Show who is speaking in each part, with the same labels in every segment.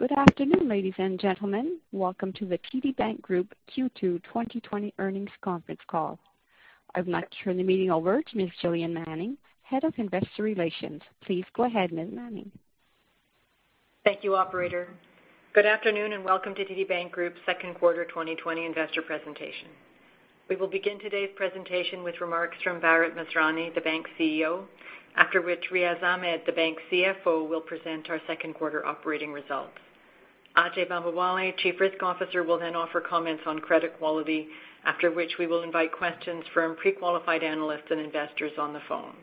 Speaker 1: Good afternoon, ladies and gentlemen. Welcome to the TD Bank Group Q2 2020 earnings conference call. I would like to turn the meeting over to Ms. Gillian Manning, Head of Investor Relations. Please go ahead, Ms. Manning.
Speaker 2: Thank you, operator. Good afternoon, welcome to TD Bank Group's second quarter 2020 investor presentation. We will begin today's presentation with remarks from Bharat Masrani, the bank's CEO, after which Riaz Ahmed, the bank's CFO, will present our second quarter operating results. Ajai Bambawale, Chief Risk Officer, will then offer comments on credit quality, after which we will invite questions from pre-qualified analysts and investors on the phone.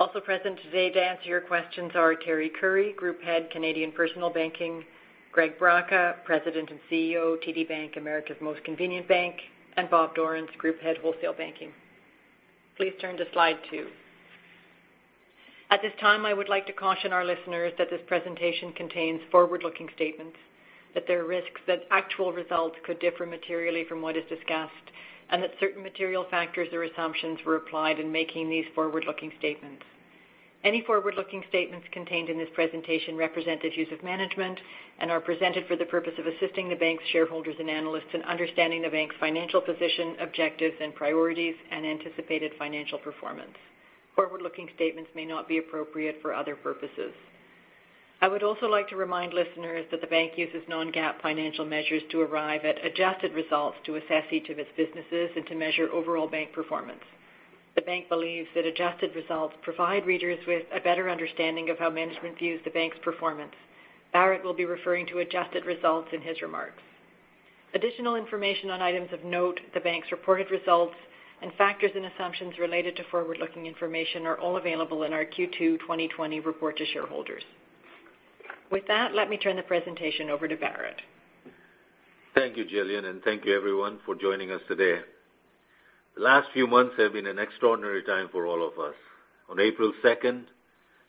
Speaker 2: Also present today to answer your questions are Teri Currie, Group Head, Canadian Personal Banking; Greg Braca, President and CEO, TD Bank, America's Most Convenient Bank; and Bob Dorrance, Group Head, Wholesale Banking. Please turn to slide two. At this time, I would like to caution our listeners that this presentation contains forward-looking statements, that there are risks that actual results could differ materially from what is discussed, and that certain material factors or assumptions were applied in making these forward-looking statements. Any forward-looking statements contained in this presentation represent the views of management and are presented for the purpose of assisting the bank's shareholders and analysts in understanding the bank's financial position, objectives and priorities, and anticipated financial performance. Forward-looking statements may not be appropriate for other purposes. I would also like to remind listeners that the bank uses non-GAAP financial measures to arrive at adjusted results to assess each of its businesses and to measure overall bank performance. The bank believes that adjusted results provide readers with a better understanding of how management views the bank's performance. Bharat will be referring to adjusted results in his remarks. Additional information on items of note, the bank's reported results, and factors and assumptions related to forward-looking information are all available in our Q2 2020 report to shareholders. With that, let me turn the presentation over to Bharat.
Speaker 3: Thank you, Gillian, thank you everyone for joining us today. The last few months have been an extraordinary time for all of us. On April 2nd,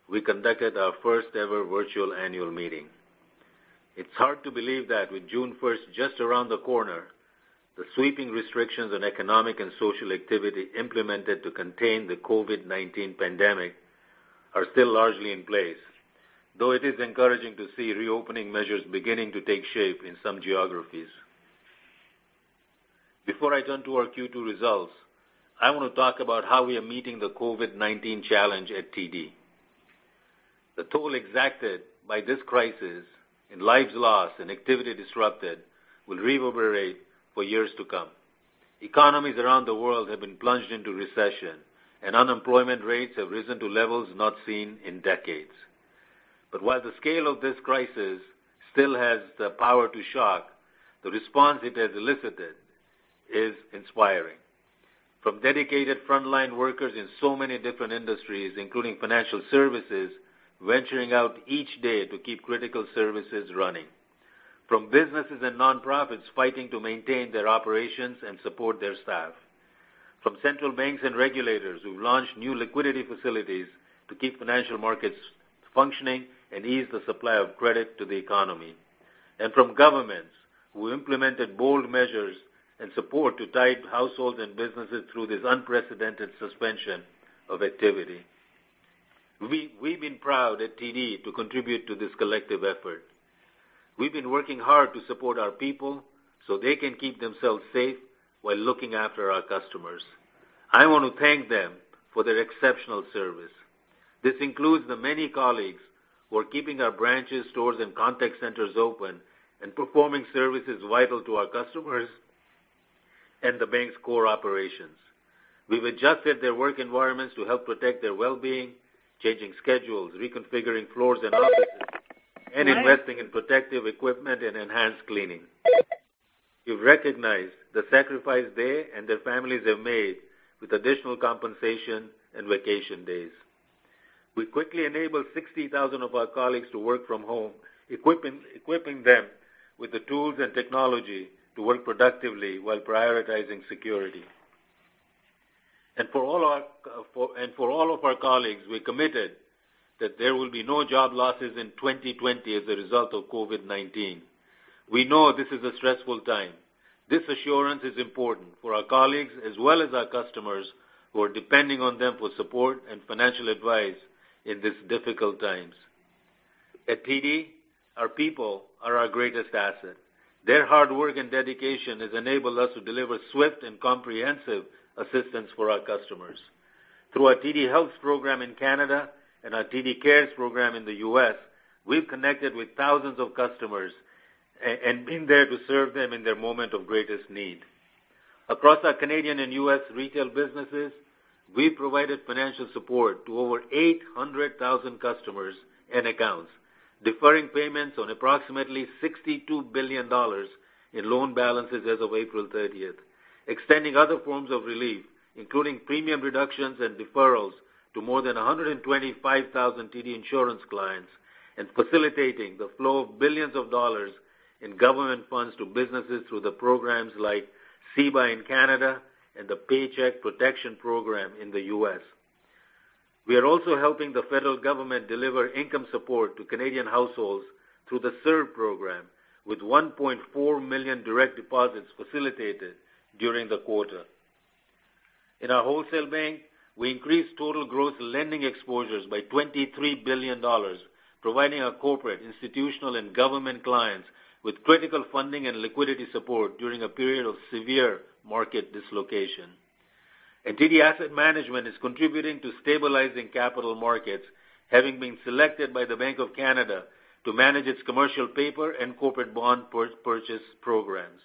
Speaker 3: we conducted our first-ever virtual annual meeting. It's hard to believe that with June 1st just around the corner, the sweeping restrictions on economic and social activity implemented to contain the COVID-19 pandemic are still largely in place, though it is encouraging to see reopening measures beginning to take shape in some geographies. Before I turn to our Q2 results, I want to talk about how we are meeting the COVID-19 challenge at TD. The toll exacted by this crisis in lives lost and activity disrupted will reverberate for years to come. Economies around the world have been plunged into recession, and unemployment rates have risen to levels not seen in decades. While the scale of this crisis still has the power to shock, the response it has elicited is inspiring. From dedicated frontline workers in so many different industries, including financial services, venturing out each day to keep critical services running. From businesses and non-profits fighting to maintain their operations and support their staff. From central banks and regulators who've launched new liquidity facilities to keep financial markets functioning and ease the supply of credit to the economy. From governments who implemented bold measures and support to tide households and businesses through this unprecedented suspension of activity. We've been proud at TD to contribute to this collective effort. We've been working hard to support our people so they can keep themselves safe while looking after our customers. I want to thank them for their exceptional service. This includes the many colleagues who are keeping our branches, stores, and contact centers open and performing services vital to our customers and the bank's core operations. We've adjusted their work environments to help protect their well-being, changing schedules, reconfiguring floors and offices, and investing in protective equipment and enhanced cleaning. We've recognized the sacrifice they and their families have made with additional compensation and vacation days. We quickly enabled 60,000 of our colleagues to work from home, equipping them with the tools and technology to work productively while prioritizing security. For all of our colleagues, we're committed that there will be no job losses in 2020 as a result of COVID-19. We know this is a stressful time. This assurance is important for our colleagues, as well as our customers, who are depending on them for support and financial advice in these difficult times. At TD, our people are our greatest asset. Their hard work and dedication has enabled us to deliver swift and comprehensive assistance for our customers. Through our TD Helps program in Canada and our TD Cares program in the U.S., we've connected with thousands of customers and been there to serve them in their moment of greatest need. Across our Canadian and U.S. retail businesses, we've provided financial support to over 800,000 customers and accounts, deferring payments on approximately 62 billion dollars in loan balances as of April 30th, extending other forms of relief, including premium reductions and deferrals to more than 125,000 TD Insurance clients, and facilitating the flow of billions dollars in government funds to businesses through the programs like CEBA in Canada and the Paycheck Protection Program in the U.S. We are also helping the federal government deliver income support to Canadian households through the CERB program, with 1.4 million direct deposits facilitated during the quarter. In our Wholesale Banking, we increased total growth lending exposures by 23 billion dollars, providing our corporate, institutional, and government clients with critical funding and liquidity support during a period of severe market dislocation. TD Asset Management is contributing to stabilizing capital markets, having been selected by the Bank of Canada to manage its commercial paper and corporate bond purchase programs.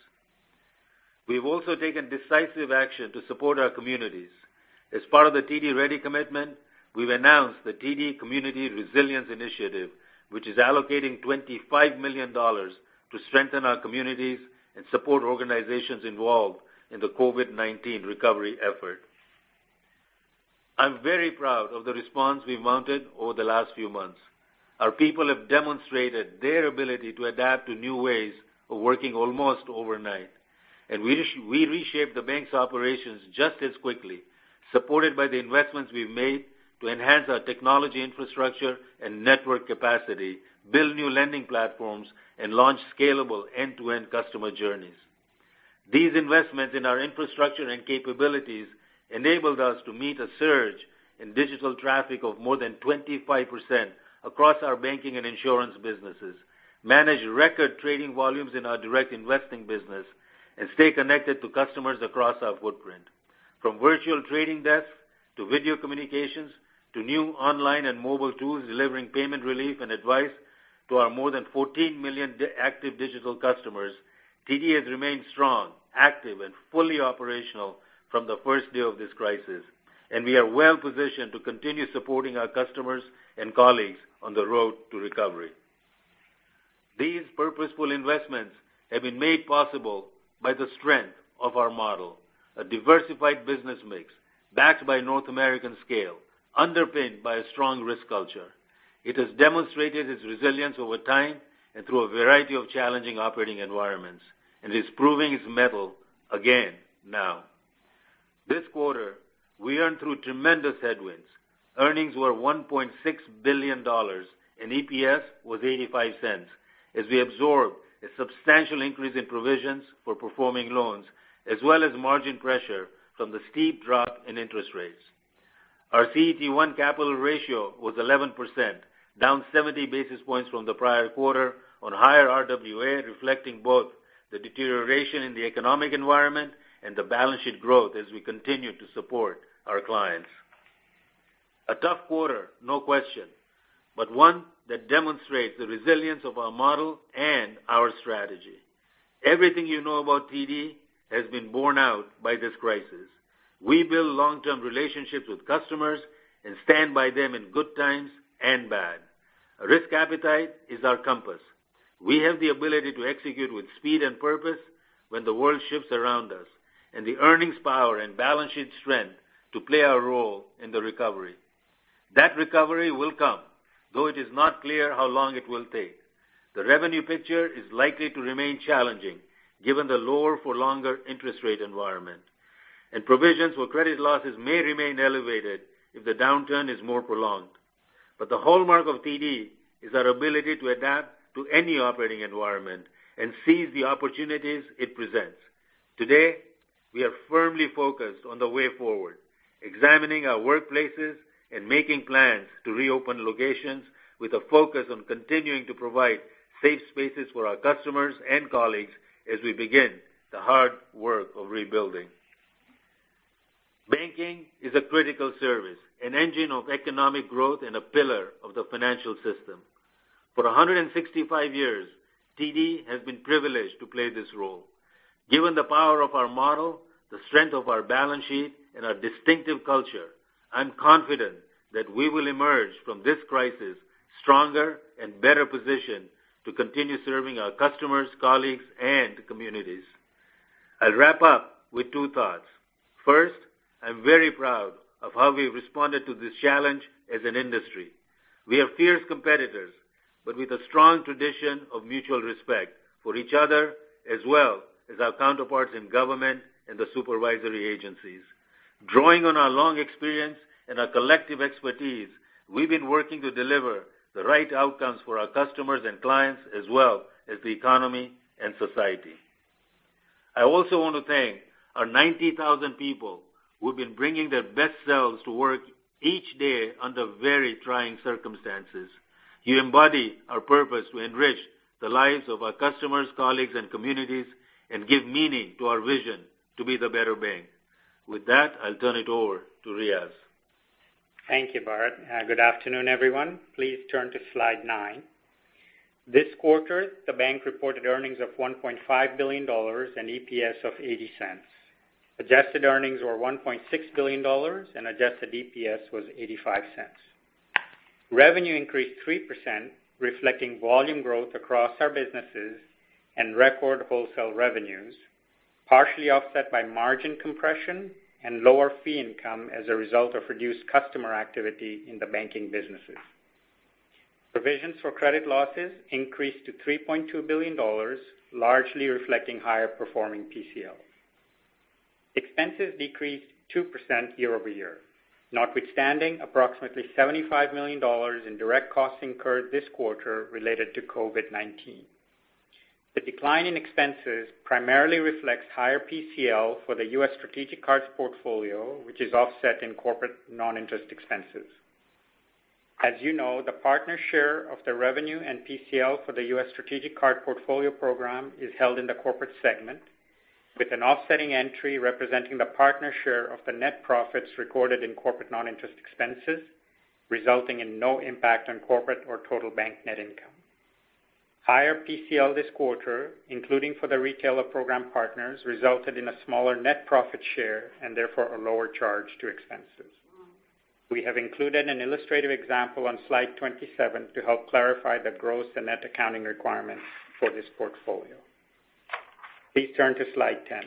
Speaker 3: We've also taken decisive action to support our communities. As part of the TD Ready Commitment, we've announced the TD Community Resilience Initiative, which is allocating 25 million dollars to strengthen our communities and support organizations involved in the COVID-19 recovery effort. I'm very proud of the response we've mounted over the last few months. Our people have demonstrated their ability to adapt to new ways of working almost overnight, and we reshaped the bank's operations just as quickly, supported by the investments we've made to enhance our technology infrastructure and network capacity, build new lending platforms, and launch scalable end-to-end customer journeys. These investments in our infrastructure and capabilities enabled us to meet a surge in digital traffic of more than 25% across our banking and insurance businesses, manage record trading volumes in our direct investing business, and stay connected to customers across our footprint. From virtual trading desks, to video communications, to new online and mobile tools delivering payment relief and advice to our more than 14 million active digital customers, TD has remained strong, active, and fully operational from the first day of this crisis, and we are well-positioned to continue supporting our customers and colleagues on the road to recovery. These purposeful investments have been made possible by the strength of our model, a diversified business mix backed by North American scale, underpinned by a strong risk culture. It has demonstrated its resilience over time and through a variety of challenging operating environments, and is proving its mettle again now. This quarter, we earned through tremendous headwinds. Earnings were 1.6 billion dollars and EPS was 0.85 as we absorbed a substantial increase in provisions for performing loans as well as margin pressure from the steep drop in interest rates. Our CET1 capital ratio was 11%, down 70 basis points from the prior quarter on higher RWA, reflecting both the deterioration in the economic environment and the balance sheet growth as we continue to support our clients. A tough quarter, no question, but one that demonstrates the resilience of our model and our strategy. Everything you know about TD has been borne out by this crisis. We build long-term relationships with customers and stand by them in good times and bad. Risk appetite is our compass. We have the ability to execute with speed and purpose when the world shifts around us, and the earnings power and balance sheet strength to play our role in the recovery. That recovery will come, though it is not clear how long it will take. The revenue picture is likely to remain challenging given the lower for longer interest rate environment. Provisions for credit losses may remain elevated if the downturn is more prolonged. The hallmark of TD is our ability to adapt to any operating environment and seize the opportunities it presents. Today, we are firmly focused on the way forward, examining our workplaces and making plans to reopen locations with a focus on continuing to provide safe spaces for our customers and colleagues as we begin the hard work of rebuilding. Banking is a critical service, an engine of economic growth and a pillar of the financial system. For 165 years, TD has been privileged to play this role. Given the power of our model, the strength of our balance sheet, and our distinctive culture, I'm confident that we will emerge from this crisis stronger and better positioned to continue serving our customers, colleagues, and communities. I'll wrap up with two thoughts. First, I'm very proud of how we've responded to this challenge as an industry. We are fierce competitors, but with a strong tradition of mutual respect for each other as well as our counterparts in government and the supervisory agencies. Drawing on our long experience and our collective expertise, we've been working to deliver the right outcomes for our customers and clients as well as the economy and society. I also want to thank our 90,000 people who have been bringing their best selves to work each day under very trying circumstances. You embody our purpose to enrich the lives of our customers, colleagues, and communities and give meaning to our vision to be the better bank. With that, I'll turn it over to Riaz.
Speaker 4: Thank you, Bharat. Good afternoon, everyone. Please turn to slide nine. This quarter, the bank reported earnings of 1.5 billion dollars and EPS of 0.80. Adjusted earnings were 1.6 billion dollars and adjusted EPS was 0.85. Revenue increased 3%, reflecting volume growth across our businesses and record Wholesale revenues, partially offset by margin compression and lower fee income as a result of reduced customer activity in the banking businesses. Provisions for credit losses increased to 3.2 billion dollars, largely reflecting higher performing PCL. Expenses decreased 2% year-over-year, notwithstanding approximately 75 million dollars in direct costs incurred this quarter related to COVID-19. The decline in expenses primarily reflects higher PCL for the U.S. strategic cards portfolio, which is offset in corporate non-interest expenses. As you know, the partner share of the revenue and PCL for the U.S. strategic card portfolio program is held in the corporate segment with an offsetting entry representing the partner share of the net profits recorded in corporate non-interest expenses, resulting in no impact on corporate or total bank net income. Higher PCL this quarter, including for the retailer program partners, resulted in a smaller net profit share and therefore a lower charge to expenses. We have included an illustrative example on slide 27 to help clarify the gross and net accounting requirements for this portfolio. Please turn to slide 10.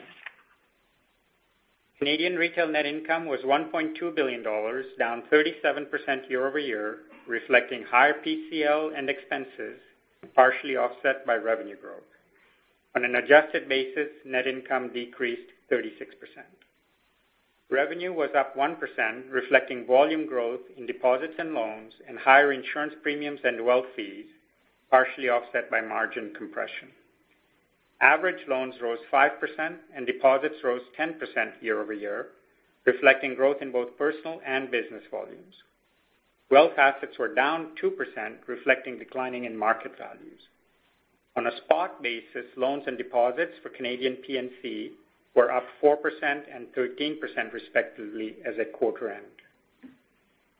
Speaker 4: Canadian retail net income was 1.2 billion dollars, down 37% year-over-year, reflecting higher PCL and expenses, partially offset by revenue growth. On an adjusted basis, net income decreased 36%. Revenue was up 1%, reflecting volume growth in deposits and loans and higher insurance premiums and wealth fees, partially offset by margin compression. Average loans rose 5% and deposits rose 10% year-over-year, reflecting growth in both personal and business volumes. Wealth assets were down 2%, reflecting declining in market values. On a spot basis, loans and deposits for Canadian P&C were up 4% and 13% respectively as at quarter end.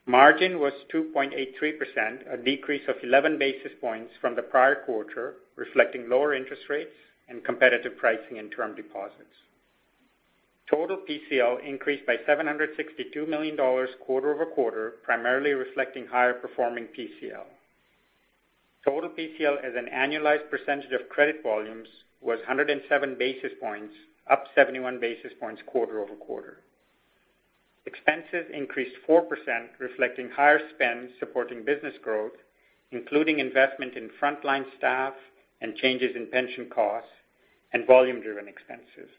Speaker 4: Margin was 2.83%, a decrease of 11 basis points from the prior quarter, reflecting lower interest rates and competitive pricing in term deposits. Total PCL increased by 762 million dollars quarter-over-quarter, primarily reflecting higher performing PCL. Total PCL as an annualized percentage of credit volumes was 107 basis points, up 71 basis points quarter-over-quarter. Expenses increased 4%, reflecting higher spend supporting business growth, including investment in frontline staff and changes in pension costs and volume-driven expenses.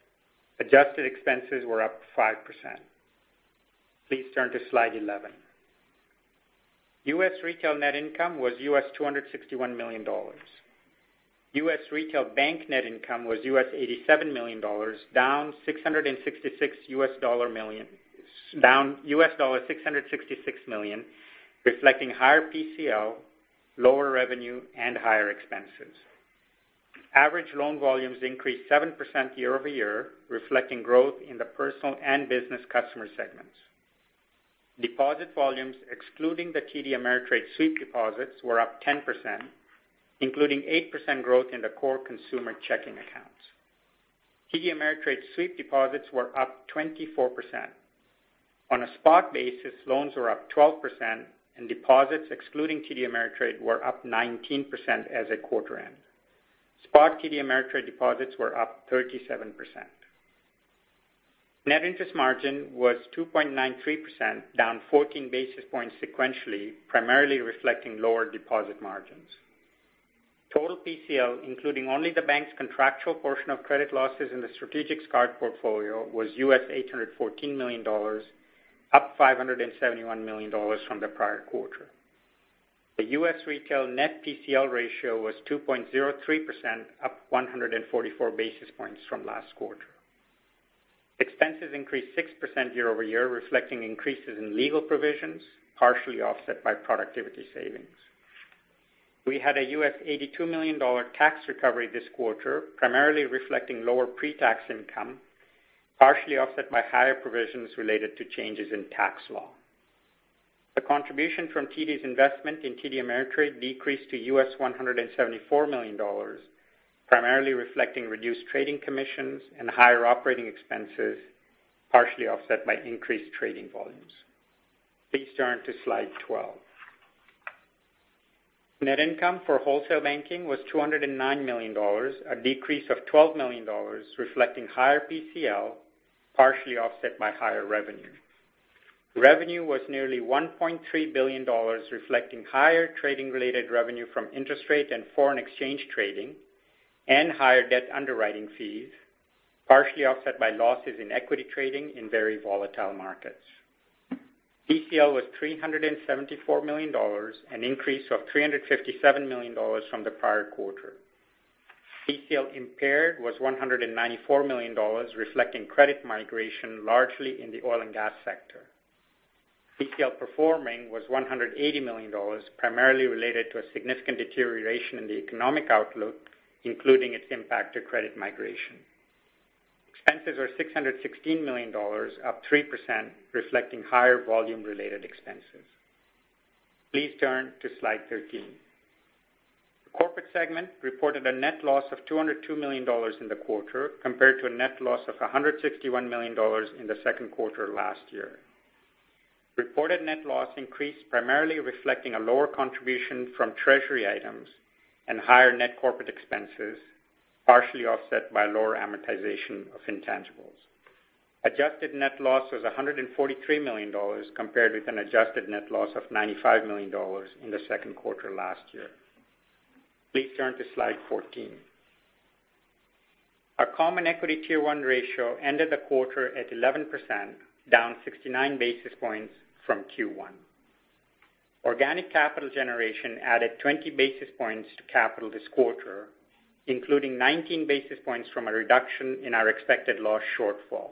Speaker 4: Adjusted expenses were up 5%. Please turn to slide 11. U.S. retail net income was US$261 million. U.S. retail bank net income was US$87 million, down US$666 million, reflecting higher PCL, lower revenue, and higher expenses. Average loan volumes increased 7% year-over-year, reflecting growth in the personal and business customer segments. Deposit volumes, excluding the TD Ameritrade sweep deposits, were up 10%, including 8% growth in the core consumer checking accounts. TD Ameritrade sweep deposits were up 24%. On a spot basis, loans were up 12% and deposits, excluding TD Ameritrade, were up 19% as at quarter end. Spot TD Ameritrade deposits were up 37%. Net interest margin was 2.93%, down 14 basis points sequentially, primarily reflecting lower deposit margins. Total PCL, including only the bank's contractual portion of credit losses in the strategic card portfolio, was $814 million, up $571 million from the prior quarter. The U.S. retail net PCL ratio was 2.03%, up 144 basis points from last quarter. Expenses increased 6% year-over-year, reflecting increases in legal provisions, partially offset by productivity savings. We had a $82 million tax recovery this quarter, primarily reflecting lower pre-tax income, partially offset by higher provisions related to changes in tax law. The contribution from TD's investment in TD Ameritrade decreased to $174 million, primarily reflecting reduced trading commissions and higher operating expenses, partially offset by increased trading volumes. Please turn to slide 12. Net income for Wholesale Banking was 209 million dollars, a decrease of 12 million dollars, reflecting higher PCL, partially offset by higher revenue. Revenue was nearly 1.3 billion dollars, reflecting higher trading-related revenue from interest rate and foreign exchange trading and higher debt underwriting fees, partially offset by losses in equity trading in very volatile markets. PCL was 374 million dollars, an increase of 357 million dollars from the prior quarter. PCL impaired was 194 million dollars, reflecting credit migration largely in the oil and gas sector. PCL performing was 180 million dollars, primarily related to a significant deterioration in the economic outlook, including its impact to credit migration. Expenses were 616 million dollars, up 3%, reflecting higher volume-related expenses. Please turn to slide 13. The corporate segment reported a net loss of 202 million dollars in the quarter, compared to a net loss of 161 million dollars in the second quarter last year. Reported net loss increased primarily reflecting a lower contribution from treasury items and higher net corporate expenses, partially offset by lower amortization of intangibles. Adjusted net loss was 143 million dollars, compared with an adjusted net loss of 95 million dollars in the second quarter last year. Please turn to slide 14. Our common equity Tier 1 ratio ended the quarter at 11%, down 69 basis points from Q1. Organic capital generation added 20 basis points to capital this quarter, including 19 basis points from a reduction in our expected loss shortfall.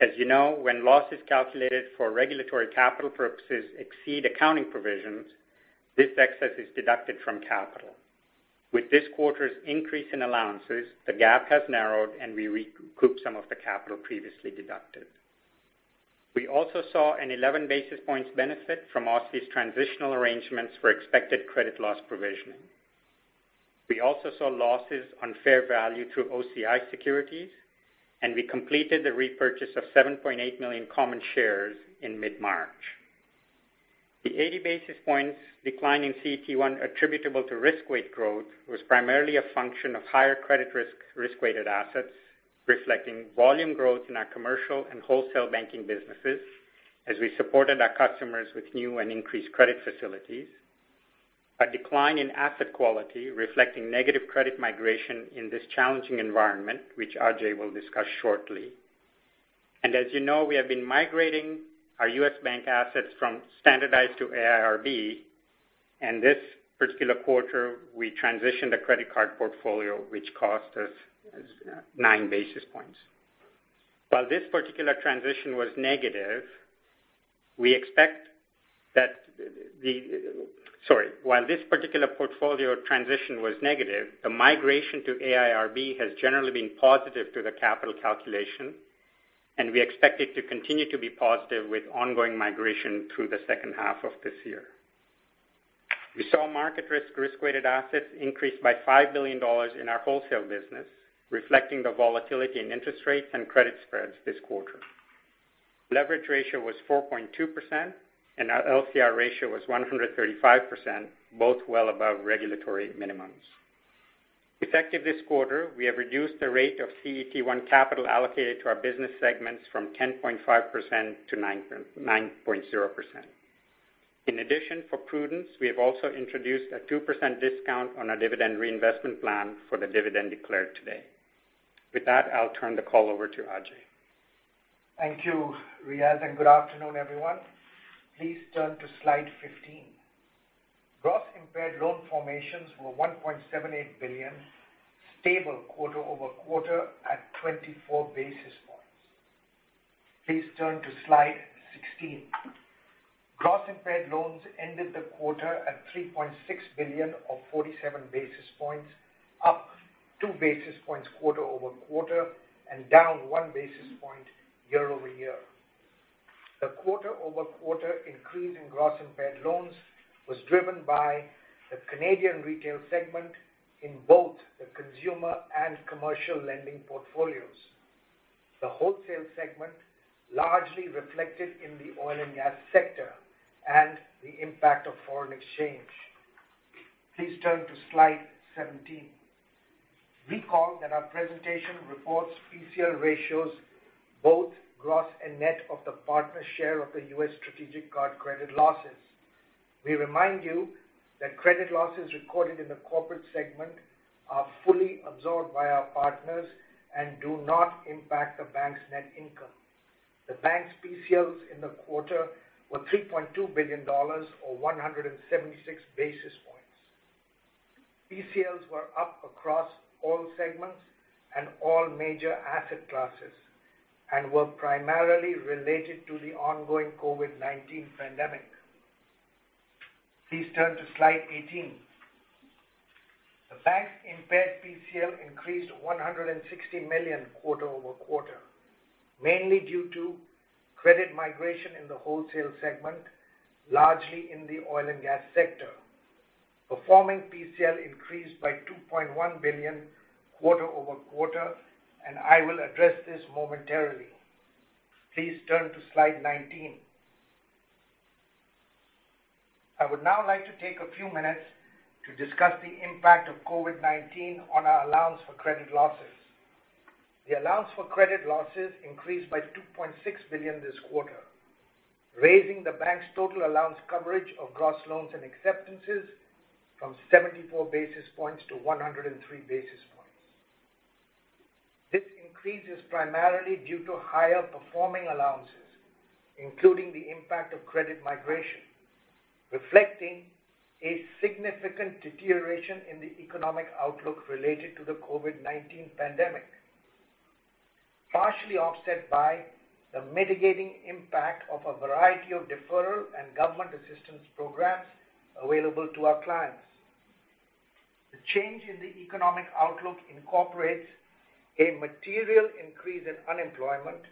Speaker 4: As you know, when losses calculated for regulatory capital purposes exceed accounting provisions, this excess is deducted from capital. With this quarter's increase in allowances, the gap has narrowed, and we recouped some of the capital previously deducted. We also saw an 11 basis points benefit from OSFI's transitional arrangements for expected credit loss provisioning. We also saw losses on fair value through OCI securities, and we completed the repurchase of 7.8 million common shares in mid-March. The 80 basis points decline in CET1 attributable to risk weight growth was primarily a function of higher credit risk risk-weighted assets reflecting volume growth in our commercial and Wholesale Banking businesses as we supported our customers with new and increased credit facilities. A decline in asset quality reflecting negative credit migration in this challenging environment, which Ajai will discuss shortly. As you know, we have been migrating our U.S. bank assets from standardized to AIRB, and this particular quarter we transitioned the credit card portfolio which cost us nine basis points. While this particular transition was negative, Sorry. While this particular portfolio transition was negative, the migration to AIRB has generally been positive to the capital calculation, and we expect it to be positive with ongoing migration through the second half of this year. We saw market risk-weighted assets increase by 5 billion dollars in our Wholesale Banking business, reflecting the volatility in interest rates and credit spreads this quarter. Leverage ratio was 4.2% and our LCR ratio was 135%, both well above regulatory minimums. Effective this quarter, we have reduced the rate of CET1 capital allocated to our business segments from 10.5% to 9.0%. In addition, for prudence, we have also introduced a 2% discount on our dividend reinvestment plan for the dividend declared today. With that, I'll turn the call over to Ajai.
Speaker 5: Thank you, Riaz, and good afternoon, everyone. Please turn to slide 15. Gross impaired loan formations were 1.78 billion, stable quarter-over-quarter at 24 basis points. Please turn to slide 16. Gross impaired loans ended the quarter at 3.6 billion or 47 basis points, up two basis points quarter-over-quarter and down one basis point year-over-year. The quarter-over-quarter increase in gross impaired loans was driven by the Canadian retail segment in both the consumer and commercial lending portfolios. The Wholesale segment largely reflected in the oil and gas sector and the impact of foreign exchange. Please turn to slide 17. Recall that our presentation reports PCL ratios both gross and net of the partner share of the U.S. strategic card credit losses. We remind you that credit losses recorded in the corporate segment are fully absorbed by our partners and do not impact the bank's net income. The bank's PCLs in the quarter were 3.2 billion dollars or 176 basis points. PCLs were up across all segments and all major asset classes and were primarily related to the ongoing COVID-19 pandemic. Please turn to slide 18. The bank's impaired PCL increased 160 million quarter-over-quarter, mainly due to credit migration in the Wholesale segment, largely in the oil and gas sector. Performing PCL increased by 2.1 billion quarter-over-quarter. I will address this momentarily. Please turn to slide 19. I would now like to take a few minutes to discuss the impact of COVID-19 on our allowance for credit losses. The allowance for credit losses increased by 2.6 billion this quarter, raising the bank's total allowance coverage of gross loans and acceptances from 74 basis points to 103 basis points. This increase is primarily due to higher performing allowances, including the impact of credit migration, reflecting a significant deterioration in the economic outlook related to the COVID-19 pandemic, partially offset by the mitigating impact of a variety of deferral and government assistance programs available to our clients. The change in the economic outlook incorporates a material increase in unemployment,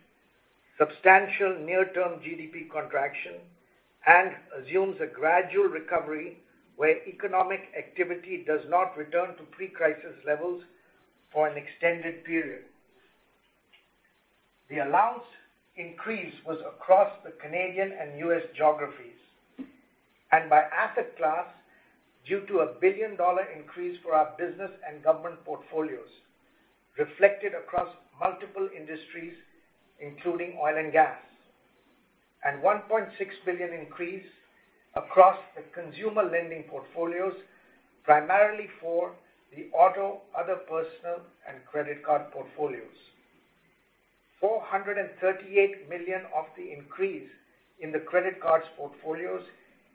Speaker 5: substantial near-term GDP contraction, and assumes a gradual recovery where economic activity does not return to pre-crisis levels for an extended period. The allowance increase was across the Canadian and U.S. geographies, and by asset class, due to a billion-dollar increase for our business and government portfolios reflected across multiple industries, including oil and gas. 1.6 billion increase across the consumer lending portfolios, primarily for the auto, other personal, and credit card portfolios. 438 million of the increase in the credit cards portfolios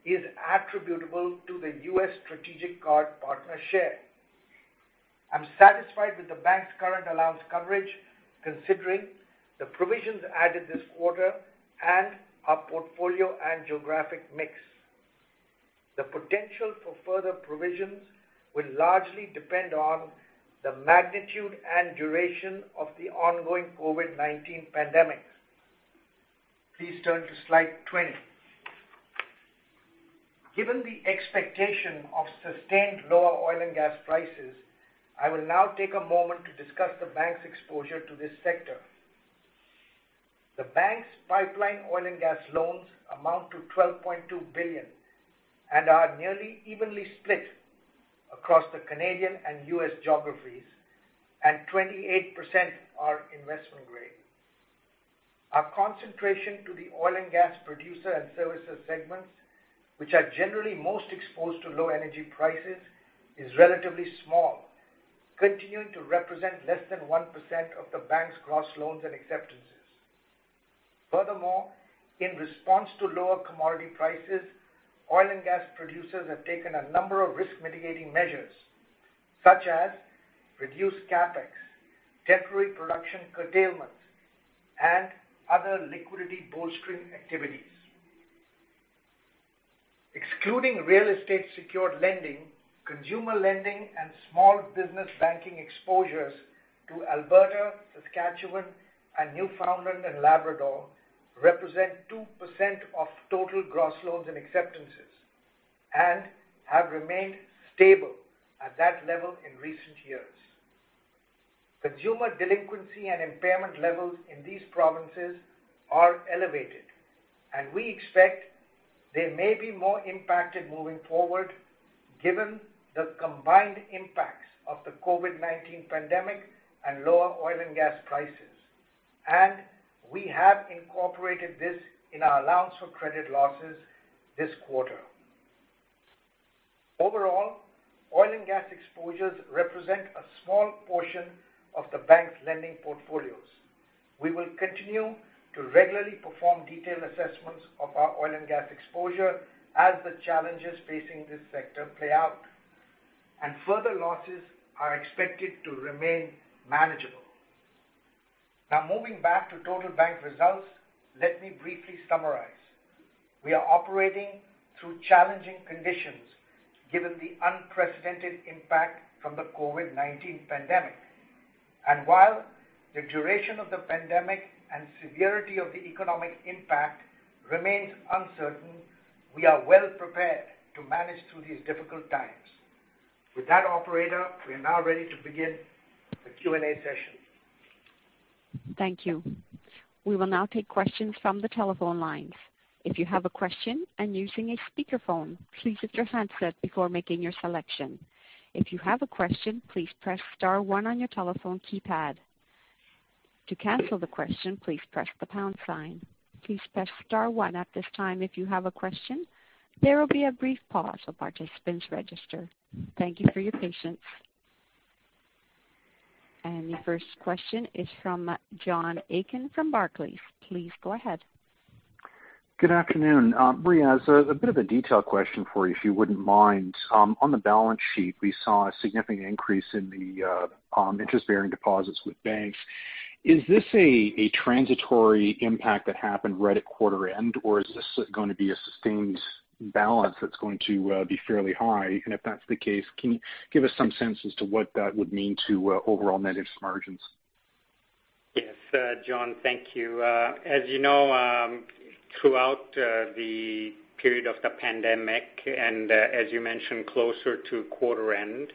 Speaker 5: is attributable to the U.S. strategic card partner share. I'm satisfied with the bank's current allowance coverage, considering the provisions added this quarter and our portfolio and geographic mix. The potential for further provisions will largely depend on the magnitude and duration of the ongoing COVID-19 pandemic. Please turn to slide 20. Given the expectation of sustained lower oil and gas prices, I will now take a moment to discuss the bank's exposure to this sector. The bank's pipeline oil and gas loans amount to 12.2 billion and are nearly evenly split across the Canadian and U.S. geographies. 28% are investment grade. Our concentration to the oil and gas producer and services segments, which are generally most exposed to low energy prices, is relatively small, continuing to represent less than 1% of the bank's gross loans and acceptances. Furthermore, in response to lower commodity prices, oil and gas producers have taken a number of risk-mitigating measures, such as reduced CapEx, temporary production curtailment, and other liquidity bolstering activities. Excluding real estate-secured lending, consumer lending, and small business banking exposures to Alberta, Saskatchewan, and Newfoundland and Labrador represent 2% of total gross loans and acceptances and have remained stable at that level in recent years. Consumer delinquency and impairment levels in these provinces are elevated. We expect they may be more impacted moving forward given the combined impacts of the COVID-19 pandemic and lower oil and gas prices. We have incorporated this in our allowance for credit losses this quarter. Overall, oil and gas exposures represent a small portion of the bank's lending portfolios. We will continue to regularly perform detailed assessments of our oil and gas exposure as the challenges facing this sector play out, and further losses are expected to remain manageable. Now moving back to total bank results, let me briefly summarize. We are operating through challenging conditions given the unprecedented impact from the COVID-19 pandemic. While the duration of the pandemic and severity of the economic impact remains uncertain, we are well prepared to manage through these difficult times. With that, operator, we are now ready to begin the Q&A session.
Speaker 1: Thank you. We will now take questions from the telephone lines. If you have a question and using a speakerphone, please mute your handset before making your selection. If you have a question, please press star one on your telephone keypad. To cancel the question, please press the pound sign. Please press star one at this time if you have a question. There will be a brief pause while participants register. Thank you for your patience. The first question is from John Aitken from Barclays. Please go ahead.
Speaker 6: Good afternoon. Riaz, as a bit of a detailed question for you, if you wouldn't mind. On the balance sheet, we saw a significant increase in the interest-bearing deposits with banks. Is this a transitory impact that happened right at quarter end, or is this going to be a sustained balance that's going to be fairly high? If that's the case, can you give us some sense as to what that would mean to overall net interest margins?
Speaker 4: Yes. John, thank you. As you know, throughout the period of the pandemic and as you mentioned, closer to quarter end,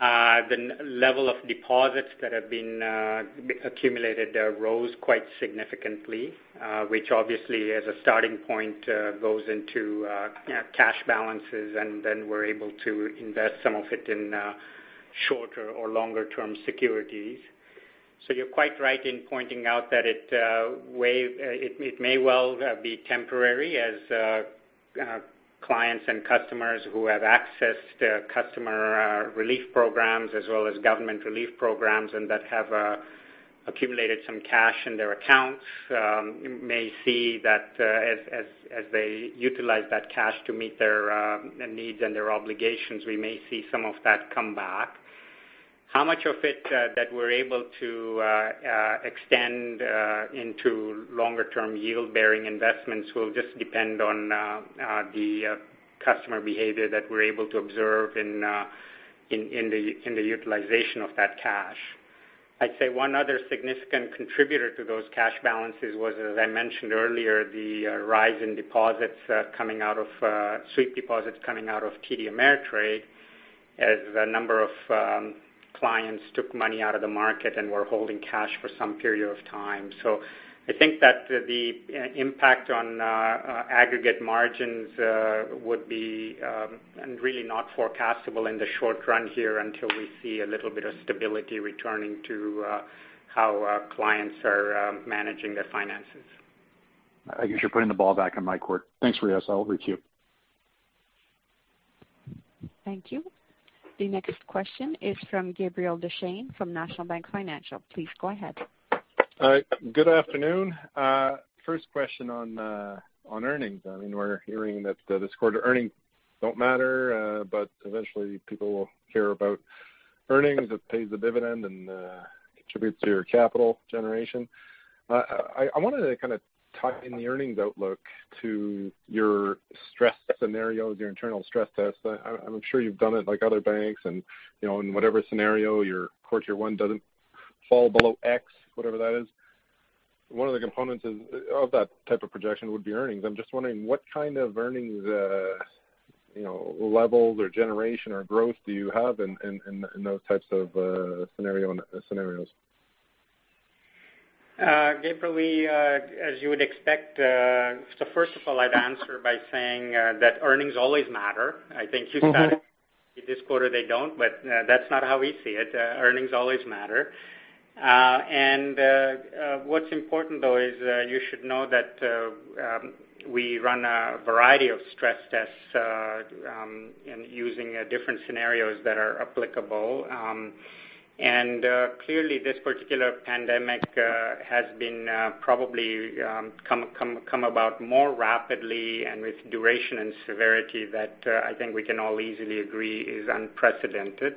Speaker 4: the level of deposits that have been accumulated rose quite significantly, which obviously as a starting point, goes into cash balances, and then we're able to invest some of it in shorter or longer-term securities. You're quite right in pointing out that it may well be temporary as clients and customers who have accessed customer relief programs as well as government relief programs and that have accumulated some cash in their accounts may see that as they utilize that cash to meet their needs and their obligations, we may see some of that come back. How much of it that we're able to extend into longer-term yield-bearing investments will just depend on the customer behavior that we're able to observe in the utilization of that cash. I'd say one other significant contributor to those cash balances was, as I mentioned earlier, the rise in sweep deposits coming out of TD Ameritrade as a number of clients took money out of the market and were holding cash for some period of time. I think that the impact on aggregate margins would be really not forecastable in the short run here until we see a little bit of stability returning to how clients are managing their finances.
Speaker 6: I guess you're putting the ball back in my court. Thanks, Riaz. I'll retreat.
Speaker 1: Thank you. The next question is from Gabriel Dechaine from National Bank Financial. Please go ahead.
Speaker 7: Hi. Good afternoon. First question on earnings. We're hearing that this quarter earnings don't matter. Eventually people will care about earnings that pays the dividend and contributes to your capital generation. I wanted to tie in the earnings outlook to your stress scenarios, your internal stress test. I'm sure you've done it like other banks and, in whatever scenario, your core Tier 1 doesn't fall below X, whatever that is. One of the components of that type of projection would be earnings. I'm just wondering what kind of earnings levels or generation or growth do you have in those types of scenarios?
Speaker 4: Gabriel, as you would expect, first of all, I'd answer by saying that earnings always matter. I think you said it, this quarter they don't, that's not how we see it. Earnings always matter. What's important, though, is you should know that we run a variety of stress tests using different scenarios that are applicable. Clearly this particular pandemic has probably come about more rapidly and with duration and severity that I think we can all easily agree is unprecedented.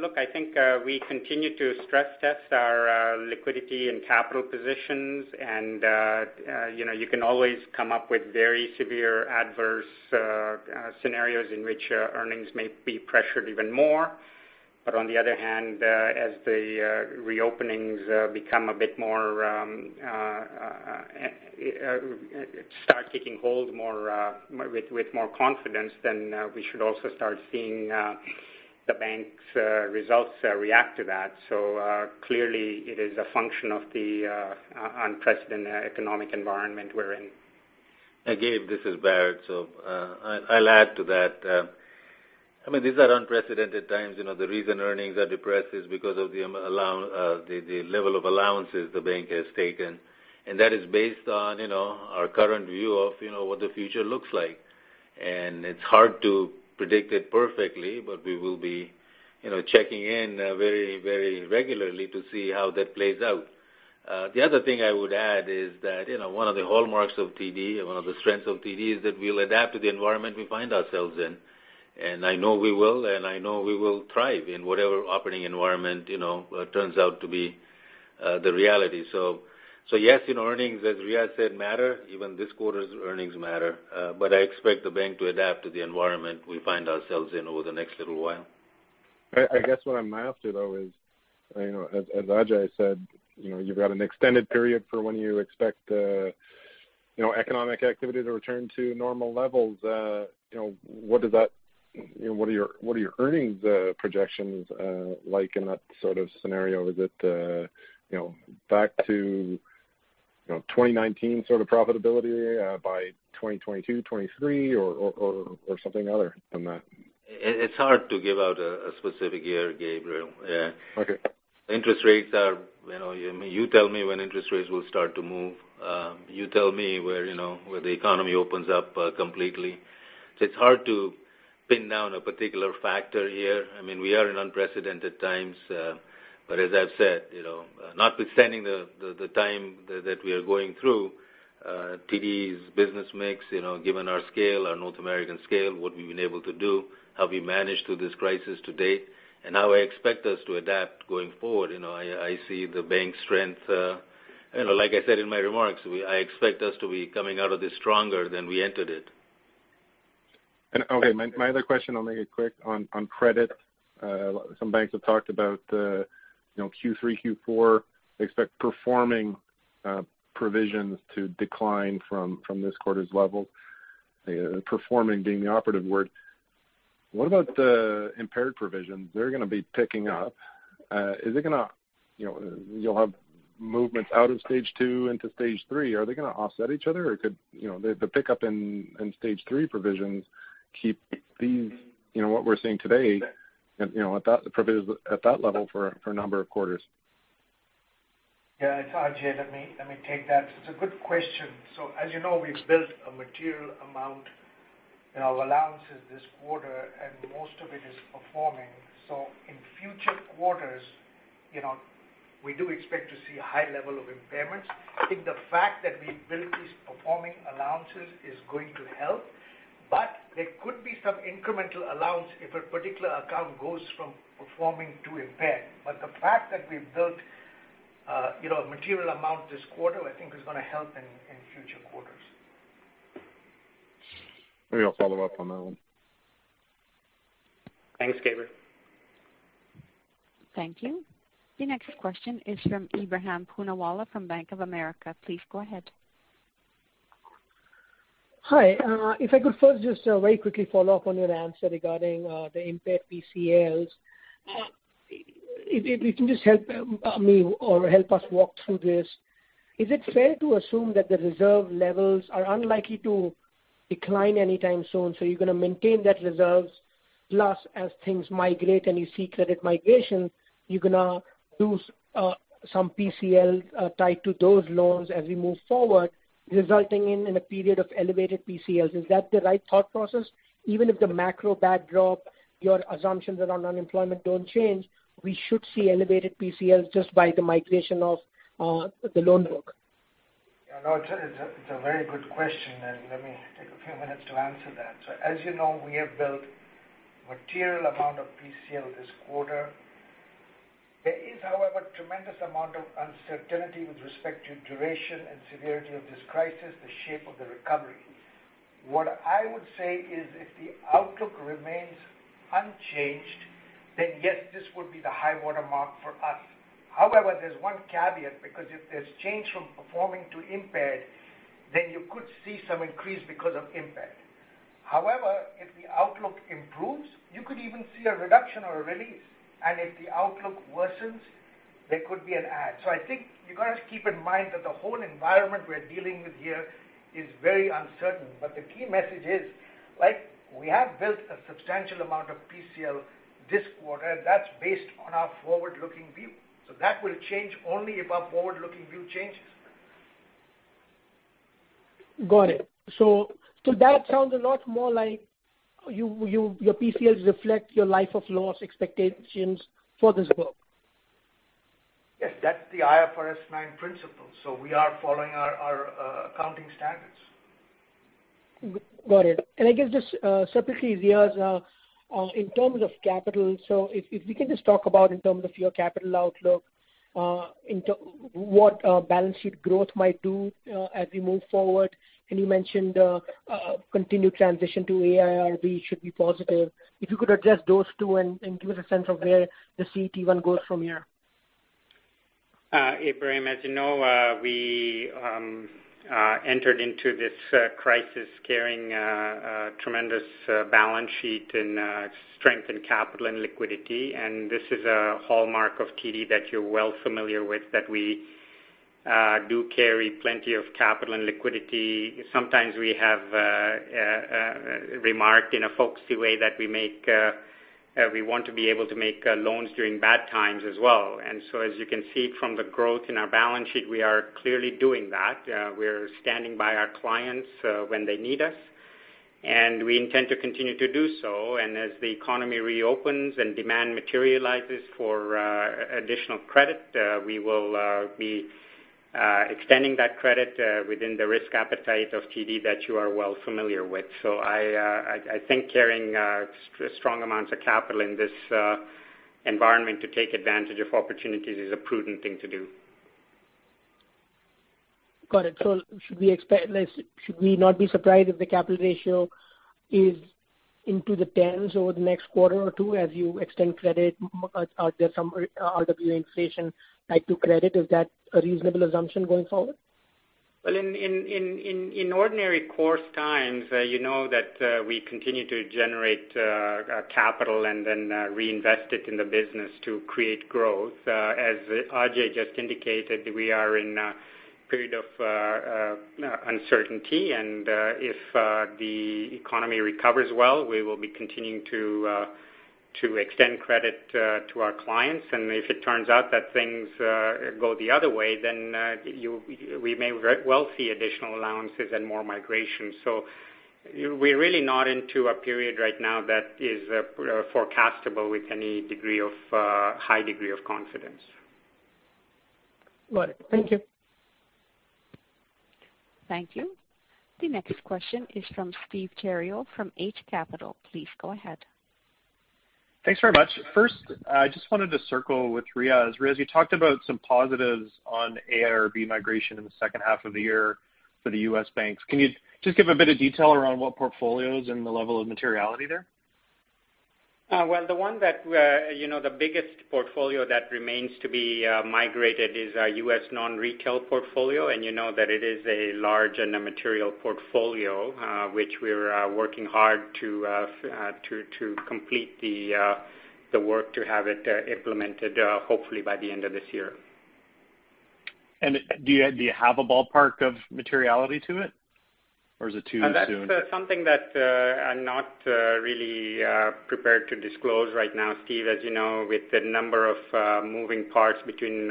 Speaker 4: Look, I think we continue to stress test our liquidity and capital positions, you can always come up with very severe adverse scenarios in which earnings may be pressured even more. On the other hand, as the reopenings start taking hold with more confidence, we should also start seeing the bank's results react to that. Clearly it is a function of the unprecedented economic environment we're in.
Speaker 3: Gabe, this is Bharat. I'll add to that. These are unprecedented times. The reason earnings are depressed is because of the level of allowances the bank has taken, and that is based on our current view of what the future looks like. It's hard to predict it perfectly, but we will be checking in very regularly to see how that plays out. The other thing I would add is that one of the hallmarks of TD and one of the strengths of TD is that we'll adapt to the environment we find ourselves in, and I know we will, and I know we will thrive in whatever operating environment turns out to be the reality. Yes, earnings, as Riaz said, matter, even this quarter's earnings matter. I expect the bank to adapt to the environment we find ourselves in over the next little while.
Speaker 7: I guess what I'm after, though, is, as Ajai said, you've got an extended period for when you expect economic activity to return to normal levels. What are your earnings projections like in that sort of scenario? Is it back to 2019 sort of profitability by 2022, 2023, or something other than that?
Speaker 3: It's hard to give out a specific year, Gabriel. Yeah.
Speaker 7: Okay.
Speaker 3: Interest rates, you tell me when interest rates will start to move. You tell me where the economy opens up completely. It's hard to pin down a particular factor here. We are in unprecedented times. As I've said, notwithstanding the time that we are going through, TD's business mix, given our scale, our North American scale, what we've been able to do, how we managed through this crisis to date, and how I expect us to adapt going forward, I see the bank's strength. Like I said in my remarks, I expect us to be coming out of this stronger than we entered it.
Speaker 7: Okay, my other question, I'll make it quick, on credit. Some banks have talked about Q3, Q4, they expect performing provisions to decline from this quarter's levels, performing being the operative word. What about the impaired provisions? They're going to be picking up. You'll have movements out of stage two into stage three. Are they going to offset each other, or could the pickup in stage three provisions keep what we're seeing today at that level for a number of quarters?
Speaker 5: Yeah, it's Ajai. Let me take that. It's a good question. As you know, we've built a material amount in our allowances this quarter, and most of it is performing. In future quarters, we do expect to see a high level of impairments. I think the fact that we built these performing allowances is going to help, but there could be some incremental allowance if a particular account goes from performing to impaired. The fact that we've built a material amount this quarter, I think is going to help in future quarters.
Speaker 7: Maybe I'll follow up on that one.
Speaker 4: Thanks, Gabriel.
Speaker 1: Thank you. Your next question is from Ebrahim Poonawala from Bank of America. Please go ahead.
Speaker 8: Hi. If I could first just very quickly follow up on your answer regarding the impaired PCLs. If you can just help me or help us walk through this. Is it fair to assume that the reserve levels are unlikely to decline anytime soon, so you're going to maintain that reserves, plus as things migrate and you see credit migration, you're going to lose some PCL tied to those loans as we move forward, resulting in a period of elevated PCLs. Is that the right thought process? Even if the macro backdrop, your assumptions around unemployment don't change, we should see elevated PCLs just by the migration of the loan book.
Speaker 5: Yeah. No, it's a very good question. Let me take a few minutes to answer that. As you know, we have built material amount of PCL this quarter. There is, however, tremendous amount of uncertainty with respect to duration and severity of this crisis, the shape of the recovery. What I would say is if the outlook remains unchanged, yes, this would be the high-water mark for us. However, there's one caveat because if there's change from performing to impaired, you could see some increase because of impaired. However, if the outlook improves, you could even see a reduction or a release, if the outlook worsens, there could be an add. I think you've got to keep in mind that the whole environment we're dealing with here is very uncertain. The key message is, we have built a substantial amount of PCL this quarter that's based on our forward-looking view. That will change only if our forward-looking view changes.
Speaker 8: Got it. That sounds a lot more like your PCLs reflect your life of loss expectations for this book.
Speaker 5: Yes. That's the IFRS 9 principle. We are following our accounting standards.
Speaker 8: Got it. Can I give this separately to Riaz in terms of capital, so if we can just talk about in terms of your capital outlook, what balance sheet growth might do as we move forward, and you mentioned continued transition to AIRB should be positive. If you could address those two and give us a sense of where the CET1 goes from here.
Speaker 4: Ebrahim, as you know, we entered into this crisis carrying a tremendous balance sheet and strength in capital and liquidity. This is a hallmark of TD that you're well familiar with, that we do carry plenty of capital and liquidity. Sometimes we have remarked in a folksy way that we want to be able to make loans during bad times as well. As you can see from the growth in our balance sheet, we are clearly doing that. We're standing by our clients when they need us. We intend to continue to do so. As the economy reopens and demand materializes for additional credit, we will be extending that credit within the risk appetite of TD that you are well familiar with. I think carrying strong amounts of capital in this environment to take advantage of opportunities is a prudent thing to do.
Speaker 8: Got it. Should we not be surprised if the capital ratio is into the tens over the next quarter or two as you extend credit? Are there some RWA inflation tied to credit? Is that a reasonable assumption going forward?
Speaker 4: Well, in ordinary course times, you know that we continue to generate capital and then reinvest it in the business to create growth. As Ajai just indicated, we are in a period of uncertainty and if the economy recovers well, we will be continuing to extend credit to our clients. If it turns out that things go the other way, then we may very well see additional allowances and more migration. We're really not into a period right now that is forecastable with any high degree of confidence.
Speaker 8: Got it. Thank you.
Speaker 1: Thank you. The next question is from Steve Theriault from Eight Capital. Please go ahead.
Speaker 9: Thanks very much. First, I just wanted to circle with Riaz. Riaz, you talked about some positives on AIRB migration in the second half of the year for the U.S. banks. Can you just give a bit of detail around what portfolios and the level of materiality there?
Speaker 4: Well, the biggest portfolio that remains to be migrated is our U.S. non-retail portfolio. You know that it is a large and a material portfolio, which we're working hard to complete the work to have it implemented, hopefully by the end of this year.
Speaker 9: Do you have a ballpark of materiality to it, or is it too soon?
Speaker 4: That's something that I'm not really prepared to disclose right now, Steve. As you know, with the number of moving parts between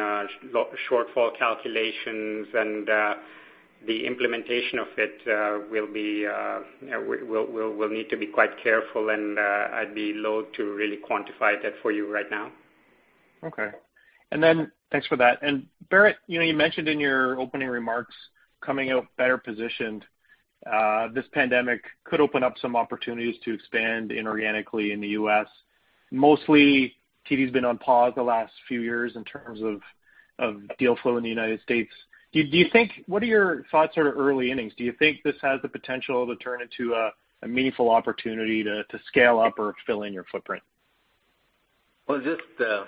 Speaker 4: shortfall calculations and the implementation of it, we'll need to be quite careful, and I'd be loath to really quantify that for you right now.
Speaker 9: Okay. Thanks for that. Bharat, you mentioned in your opening remarks coming out better positioned. This pandemic could open up some opportunities to expand inorganically in the U.S. Mostly, TD's been on pause the last few years in terms of deal flow in the United States. What are your thoughts sort of early innings? Do you think this has the potential to turn into a meaningful opportunity to scale up or fill in your footprint?
Speaker 3: Well, just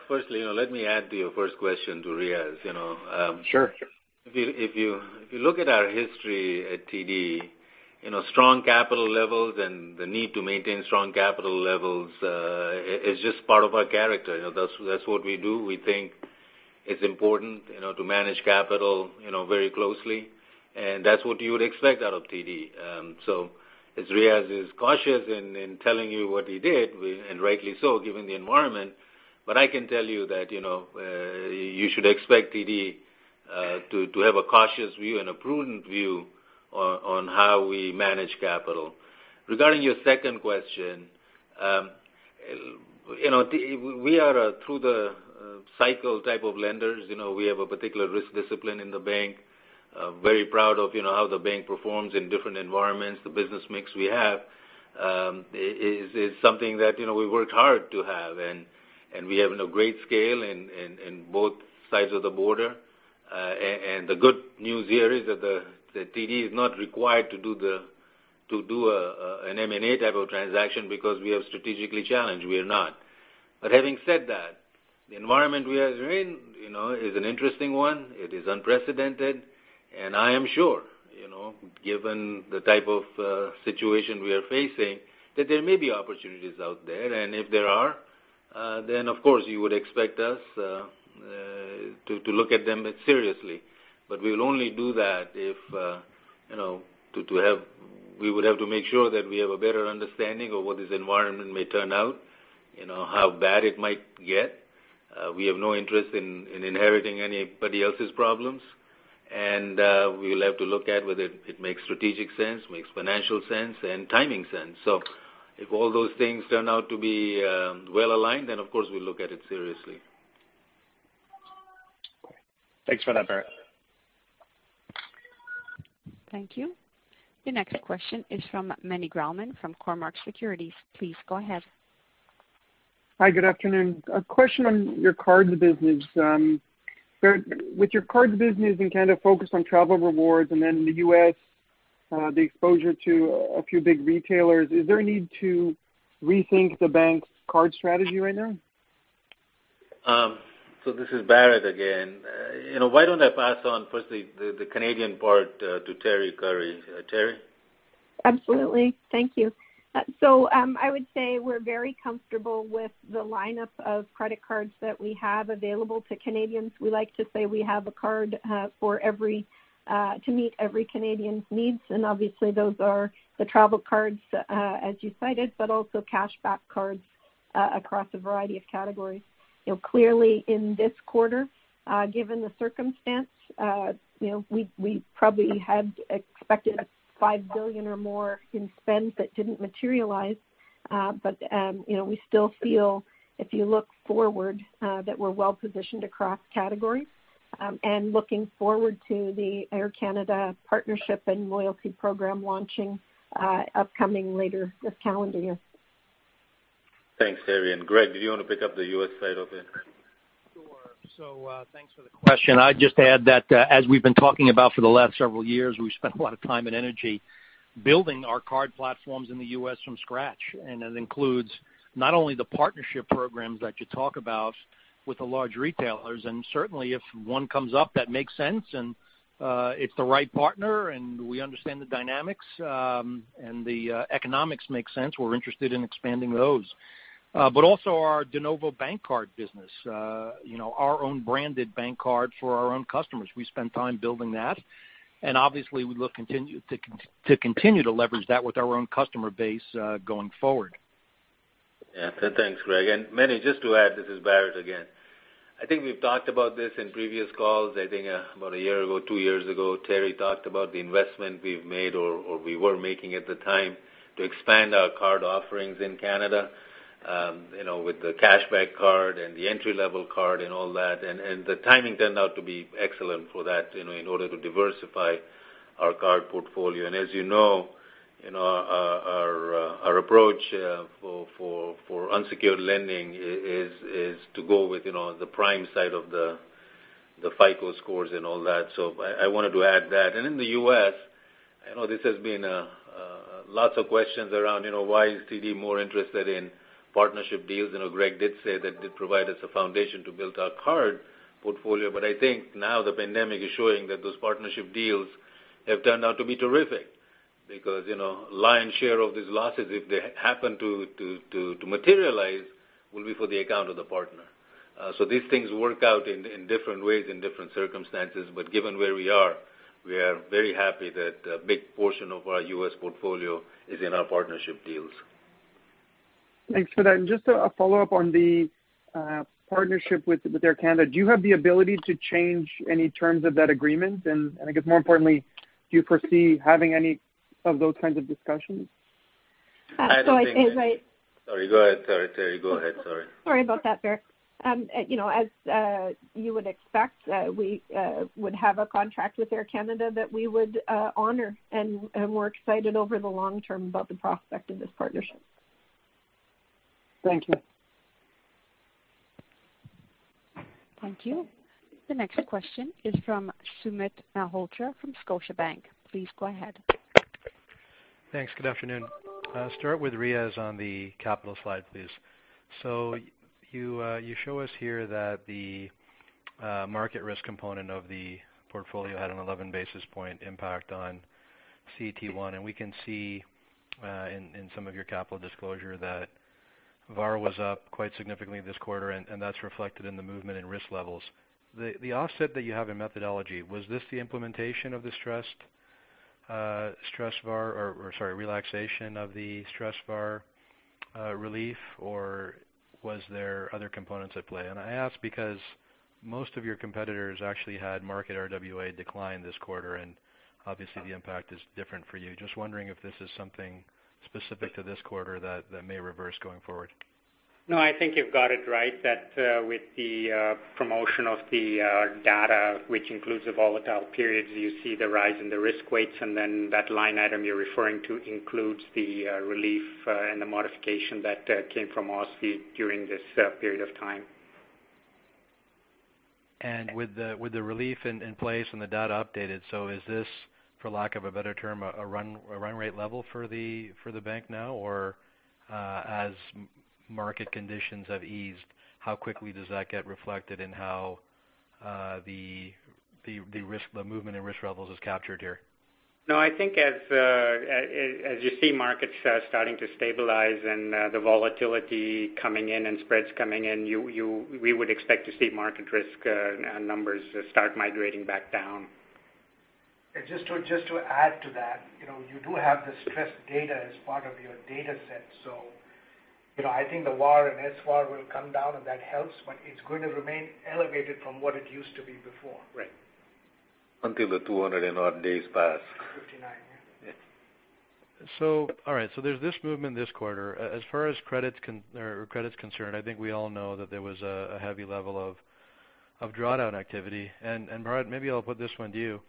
Speaker 3: firstly, let me add to your first question to Riaz.
Speaker 9: Sure.
Speaker 3: If you look at our history at TD. Strong capital levels and the need to maintain strong capital levels is just part of our character. That's what we do. We think it's important to manage capital very closely, and that's what you would expect out of TD. As Riaz is cautious in telling you what he did, and rightly so, given the environment, but I can tell you that you should expect TD to have a cautious view and a prudent view on how we manage capital. Regarding your second question, we are a through the cycle type of lenders. We have a particular risk discipline in the bank, very proud of how the bank performs in different environments. The business mix we have is something that we've worked hard to have, and we have a great scale in both sides of the border. The good news here is that TD is not required to do an M&A type of transaction because we are strategically challenged. We are not. Having said that, the environment we are in is an interesting one. It is unprecedented, and I am sure, given the type of situation we are facing, that there may be opportunities out there. If there are, then of course, you would expect us to look at them seriously. We will only do that if we would have to make sure that we have a better understanding of what this environment may turn out, how bad it might get. We have no interest in inheriting anybody else's problems, and we will have to look at whether it makes strategic sense, makes financial sense, and timing sense. If all those things turn out to be well-aligned, then of course, we'll look at it seriously.
Speaker 9: Thanks for that, Bharat.
Speaker 1: Thank you. Your next question is from Meny Grauman from Cormark Securities. Please go ahead.
Speaker 10: Hi, good afternoon. A question on your cards business. Bharat, with your cards business in Canada focused on travel rewards, and then in the U.S., the exposure to a few big retailers, is there a need to rethink the bank's card strategy right now?
Speaker 3: This is Bharat again. Why don't I pass on firstly the Canadian part to Teri Currie. Teri?
Speaker 11: Absolutely. Thank you. I would say we're very comfortable with the lineup of credit cards that we have available to Canadians. We like to say we have a card to meet every Canadian's needs, and obviously those are the travel cards as you cited, but also cash back cards across a variety of categories. Clearly in this quarter given the circumstance we probably had expected 5 billion or more in spend that didn't materialize. We still feel if you look forward that we're well-positioned across categories, and looking forward to the Air Canada partnership and loyalty program launching upcoming later this calendar year.
Speaker 3: Thanks, Teri, and Greg, did you want to pick up the U.S. side of it? with the cashback card and the entry-level card and all that. The timing turned out to be excellent for that in order to diversify our card portfolio. As you know our approach for unsecured lending is to go with the prime side of the FICO scores and all that. I wanted to add that. In the U.S., I know this has been lots of questions around why is TD more interested in partnership deals, and Greg did say that did provide us a foundation to build our card portfolio. I think now the pandemic is showing that those partnership deals have turned out to be terrific because lion's share of these losses, if they happen to materialize, will be for the account of the partner. These things work out in different ways, in different circumstances, but given where we are, we are very happy that a big portion of our U.S. portfolio is in our partnership deals.
Speaker 10: Thanks for that. Just a follow-up on the partnership with Air Canada, do you have the ability to change any terms of that agreement? I guess more importantly, do you foresee having any of those kinds of discussions?
Speaker 11: So I-.
Speaker 3: I don't think that Sorry, go ahead, Teri. Teri, go ahead. Sorry.
Speaker 11: Sorry about that, Bharat. As you would expect, we would have a contract with Air Canada that we would honor, and we're excited over the long term about the prospect of this partnership.
Speaker 10: Thank you.
Speaker 1: Thank you. The next question is from Sumit Malhotra from Scotiabank. Please go ahead.
Speaker 12: Thanks. Good afternoon. Start with Riaz on the capital slide, please. You show us here that Market risk component of the portfolio had an 11 basis points impact on CET1. We can see in some of your capital disclosure that VaR was up quite significantly this quarter, and that's reflected in the movement in risk levels. The offset that you have in methodology, was this the implementation of the Stressed VaR, or, sorry, relaxation of the Stressed VaR relief, or was there other components at play? I ask because most of your competitors actually had market RWA decline this quarter, and obviously the impact is different for you. Just wondering if this is something specific to this quarter that may reverse going forward.
Speaker 4: No, I think you've got it right, that with the promotion of the data, which includes the volatile periods, you see the rise in the risk weights, and then that line item you're referring to includes the relief and the modification that came from OSFI during this period of time.
Speaker 12: With the relief in place and the data updated, so is this, for lack of a better term, a run rate level for the bank now? As market conditions have eased, how quickly does that get reflected in how the movement in risk levels is captured here?
Speaker 4: I think as you see markets starting to stabilize and the volatility coming in and spreads coming in, we would expect to see market risk numbers start migrating back down.
Speaker 5: Just to add to that, you do have the stress data as part of your data set. I think the VaR and SVaR will come down, and that helps, but it's going to remain elevated from what it used to be before.
Speaker 4: Right.
Speaker 3: Until the 200 and odd days pass.
Speaker 5: 59, yeah.
Speaker 3: Yeah.
Speaker 12: All right. There's this movement this quarter. As far as credit's concerned, I think we all know that there was a heavy level of drawdown activity. Bharat, maybe I'll put this one to you.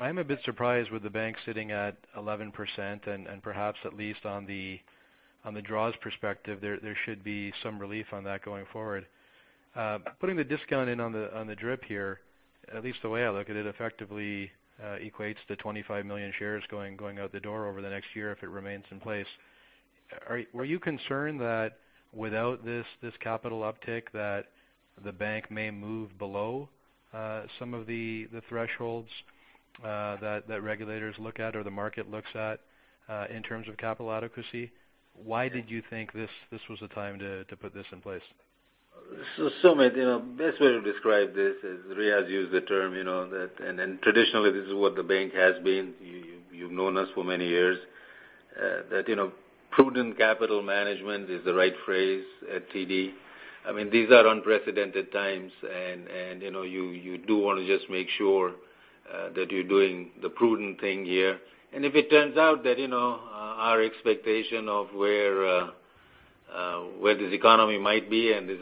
Speaker 12: I'm a bit surprised with the bank sitting at 11%, and perhaps at least on the draws perspective, there should be some relief on that going forward. Putting the discount in on the DRIP here, at least the way I look at it, effectively equates to 25 million shares going out the door over the next year if it remains in place. Were you concerned that without this capital uptick, that the bank may move below some of the thresholds that regulators look at or the market looks at in terms of capital adequacy? Why did you think this was the time to put this in place?
Speaker 3: Sumit, best way to describe this is, Riaz used the term, and traditionally this is what the bank has been, you've known us for many years, that prudent capital management is the right phrase at TD. These are unprecedented times, you do want to just make sure that you're doing the prudent thing here. If it turns out that our expectation of where this economy might be and this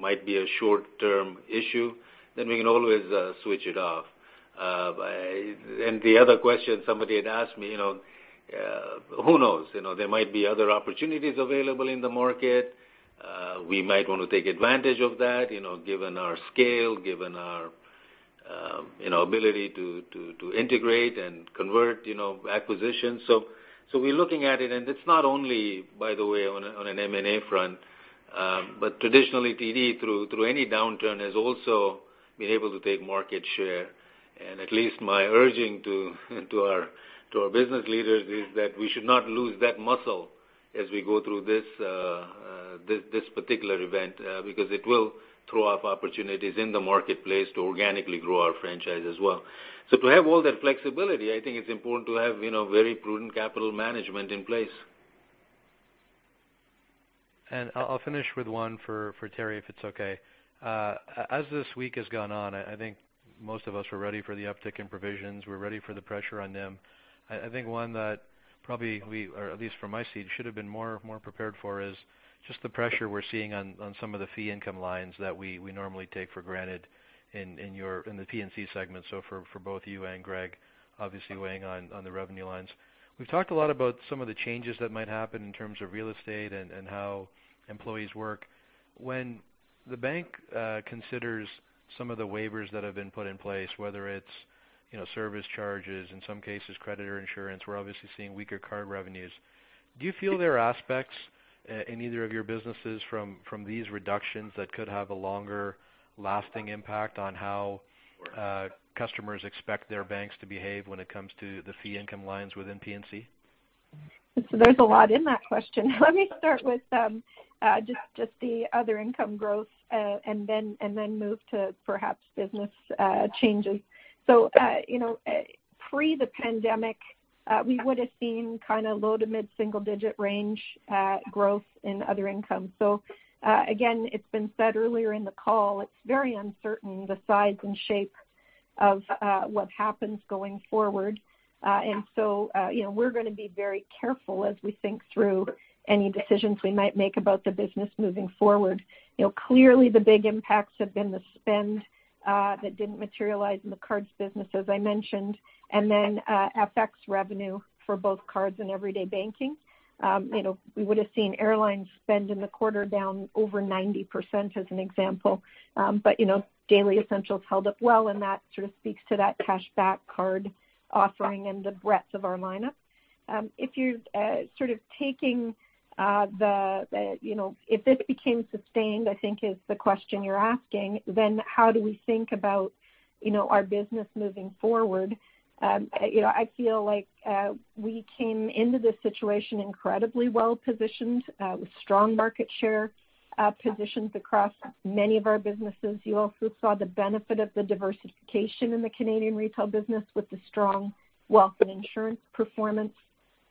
Speaker 3: might be a short-term issue, we can always switch it off. The other question somebody had asked me, who knows? There might be other opportunities available in the market. We might want to take advantage of that, given our scale, given our ability to integrate and convert acquisitions. We're looking at it's not only, by the way, on an M&A front. Traditionally, TD, through any downturn, has also been able to take market share. At least my urging to our business leaders is that we should not lose that muscle as we go through this particular event because it will throw up opportunities in the marketplace to organically grow our franchise as well. To have all that flexibility, I think it's important to have very prudent capital management in place.
Speaker 12: I'll finish with one for Teri, if it's okay. As this week has gone on, I think most of us were ready for the uptick in provisions. We're ready for the pressure on them. I think one that probably we, or at least from my seat, should have been more prepared for is just the pressure we're seeing on some of the fee income lines that we normally take for granted in the P&C segment. For both you and Greg, obviously weighing on the revenue lines. We've talked a lot about some of the changes that might happen in terms of real estate and how employees work. When the bank considers some of the waivers that have been put in place, whether it's service charges, in some cases creditor insurance, we're obviously seeing weaker card revenues. Do you feel there are aspects in either of your businesses from these reductions that could have a longer lasting impact on how customers expect their banks to behave when it comes to the fee income lines within P&C?
Speaker 11: There's a lot in that question. Let me start with just the other income growth, and then move to perhaps business changes. Pre the pandemic, we would've seen low to mid-single digit range growth in other income. Again, it's been said earlier in the call, it's very uncertain the size and shape of what happens going forward. We're going to be very careful as we think through any decisions we might make about the business moving forward. Clearly the big impacts have been the spend that didn't materialize in the cards business, as I mentioned, and then FX revenue for both cards and everyday banking. We would've seen airline spend in the quarter down over 90%, as an example. Daily essentials held up well, and that sort of speaks to that cashback card offering and the breadth of our lineup. If this became sustained, I think is the question you're asking, then how do we think about our business moving forward? I feel like we came into this situation incredibly well-positioned with strong market share positions across many of our businesses. You also saw the benefit of the diversification in the Canadian retail business with the strong wealth and insurance performance.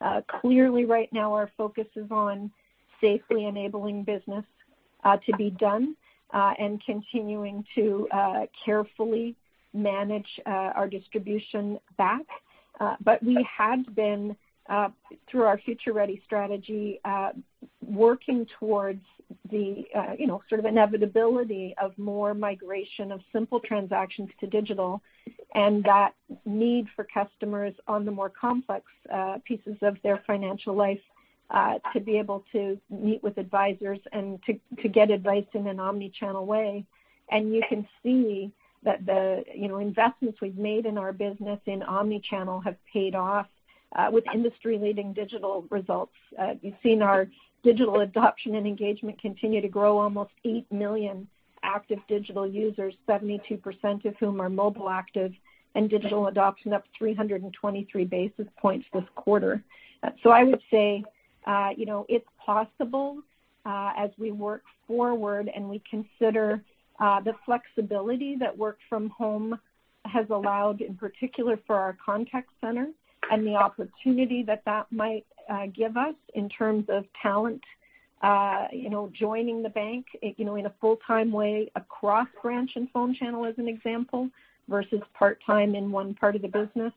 Speaker 11: Our focus is on safely enabling business to be done and continuing to carefully manage our distribution back. We had been, through our Future Ready strategy, working towards the sort of inevitability of more migration of simple transactions to digital, and that need for customers on the more complex pieces of their financial life to be able to meet with advisors and to get advice in an omni-channel way. You can see that the investments we've made in our business in omni-channel have paid off with industry-leading digital results. You've seen our digital adoption and engagement continue to grow almost 8 million active digital users, 72% of whom are mobile active, and digital adoption up 323 basis points this quarter. I would say, it's possible as we work forward and we consider the flexibility that work from home has allowed, in particular for our contact center, and the opportunity that that might give us in terms of talent joining the bank in a full-time way across branch and phone channel, as an example, versus part-time in one part of the business.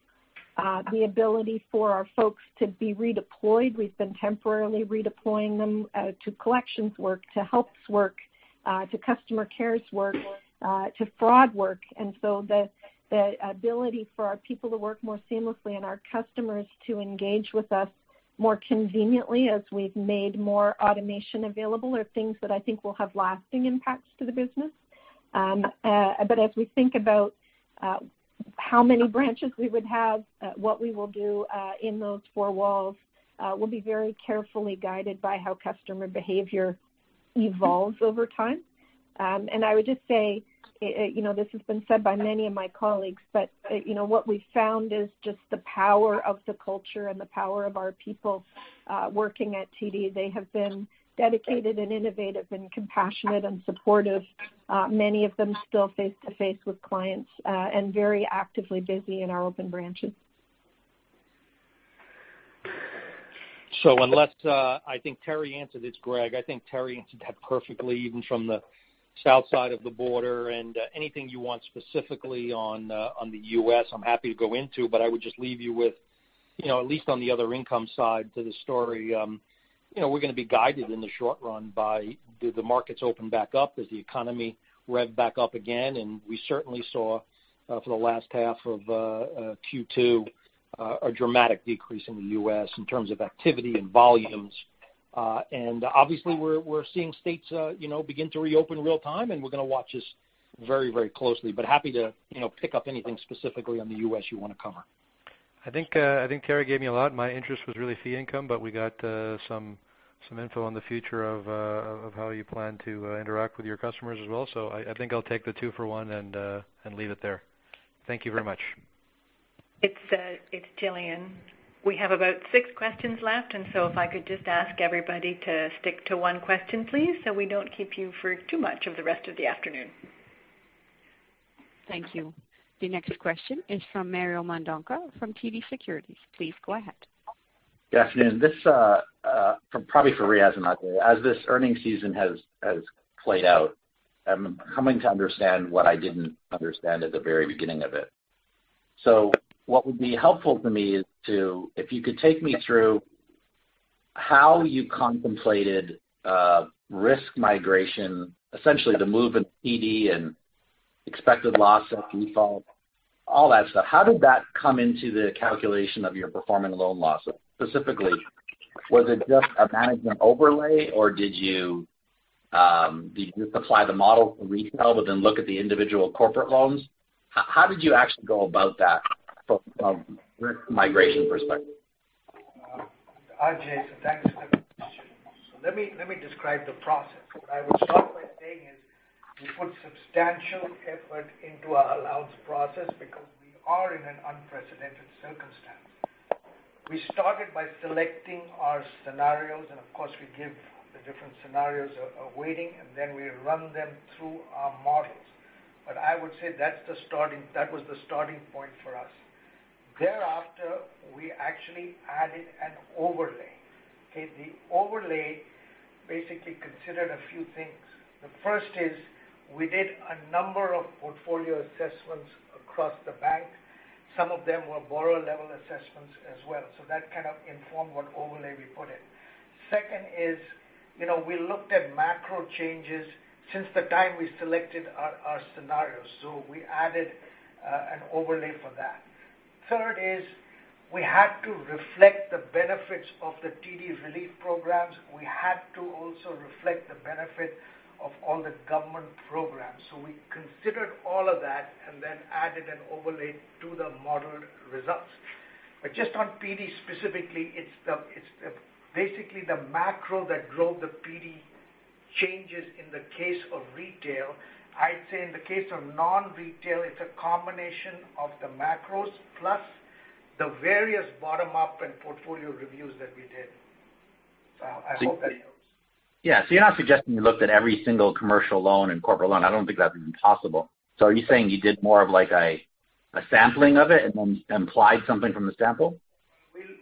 Speaker 11: The ability for our folks to be redeployed. We've been temporarily redeploying them to collections work, to TD Helps work, to TD Cares work, to fraud work. The ability for our people to work more seamlessly and our customers to engage with us more conveniently as we've made more automation available are things that I think will have lasting impacts to the business. As we think about how many branches we would have, what we will do in those four walls, we'll be very carefully guided by how customer behavior evolves over time. I would just say, this has been said by many of my colleagues, but what we've found is just the power of the culture and the power of our people working at TD. They have been dedicated and innovative and compassionate and supportive, many of them still face-to-face with clients, and very actively busy in our open branches.
Speaker 13: It's Greg. I think Teri answered that perfectly, even from the south side of the border. Anything you want specifically on the U.S., I'm happy to go into, but I would just leave you with, at least on the other income side to the story, we're going to be guided in the short run by do the markets open back up as the economy rev back up again. We certainly saw, for the last half of Q2, a dramatic decrease in the U.S. in terms of activity and volumes. Obviously we're seeing states begin to reopen real time, and we're going to watch this very closely. Happy to pick up anything specifically on the U.S. you want to cover.
Speaker 12: I think Teri gave me a lot. My interest was really fee income, but we got some info on the future of how you plan to interact with your customers as well. I think I'll take the two for one and leave it there. Thank you very much.
Speaker 2: It's Gillian. We have about six questions left. If I could just ask everybody to stick to one question, please, so we don't keep you for too much of the rest of the afternoon.
Speaker 1: Thank you. The next question is from Mario Mendonca from TD Securities. Please go ahead.
Speaker 14: Good afternoon. This probably for Riaz and Ajai. As this earnings season has played out, I'm coming to understand what I didn't understand at the very beginning of it. What would be helpful for me is if you could take me through how you contemplated risk migration, essentially the move in PD and expected loss of default, all that stuff. How did that come into the calculation of your performing loan losses? Specifically, was it just a management overlay, or did you just apply the model for retail, but then look at the individual corporate loans? How did you actually go about that from risk migration perspective?
Speaker 5: Ajai, thanks for the question. Let me describe the process. What I will start by saying is we put substantial effort into our allowance process because we are in an unprecedented circumstance. We started by selecting our scenarios, and of course, we give the different scenarios a weighting, and then we run them through our models. I would say that was the starting point for us. Thereafter, we actually added an overlay. Okay, the overlay basically considered a few things. The first is we did a number of portfolio assessments across the bank. Some of them were borrower-level assessments as well. That kind of informed what overlay we put in. Second is we looked at macro changes since the time we selected our scenarios. We added an overlay for that. Third is we had to reflect the benefits of the TD relief programs. We had to also reflect the benefit of all the government programs. We considered all of that and then added an overlay to the model results. Just on PD specifically, it's basically the macro that drove the PD changes in the case of retail. I'd say in the case of non-retail, it's a combination of the macros plus the various bottom-up and portfolio reviews that we did. I hope that helps.
Speaker 14: Yeah. You're not suggesting you looked at every single commercial loan and corporate loan. I don't think that's even possible. Are you saying you did more of a sampling of it, and then implied something from the sample?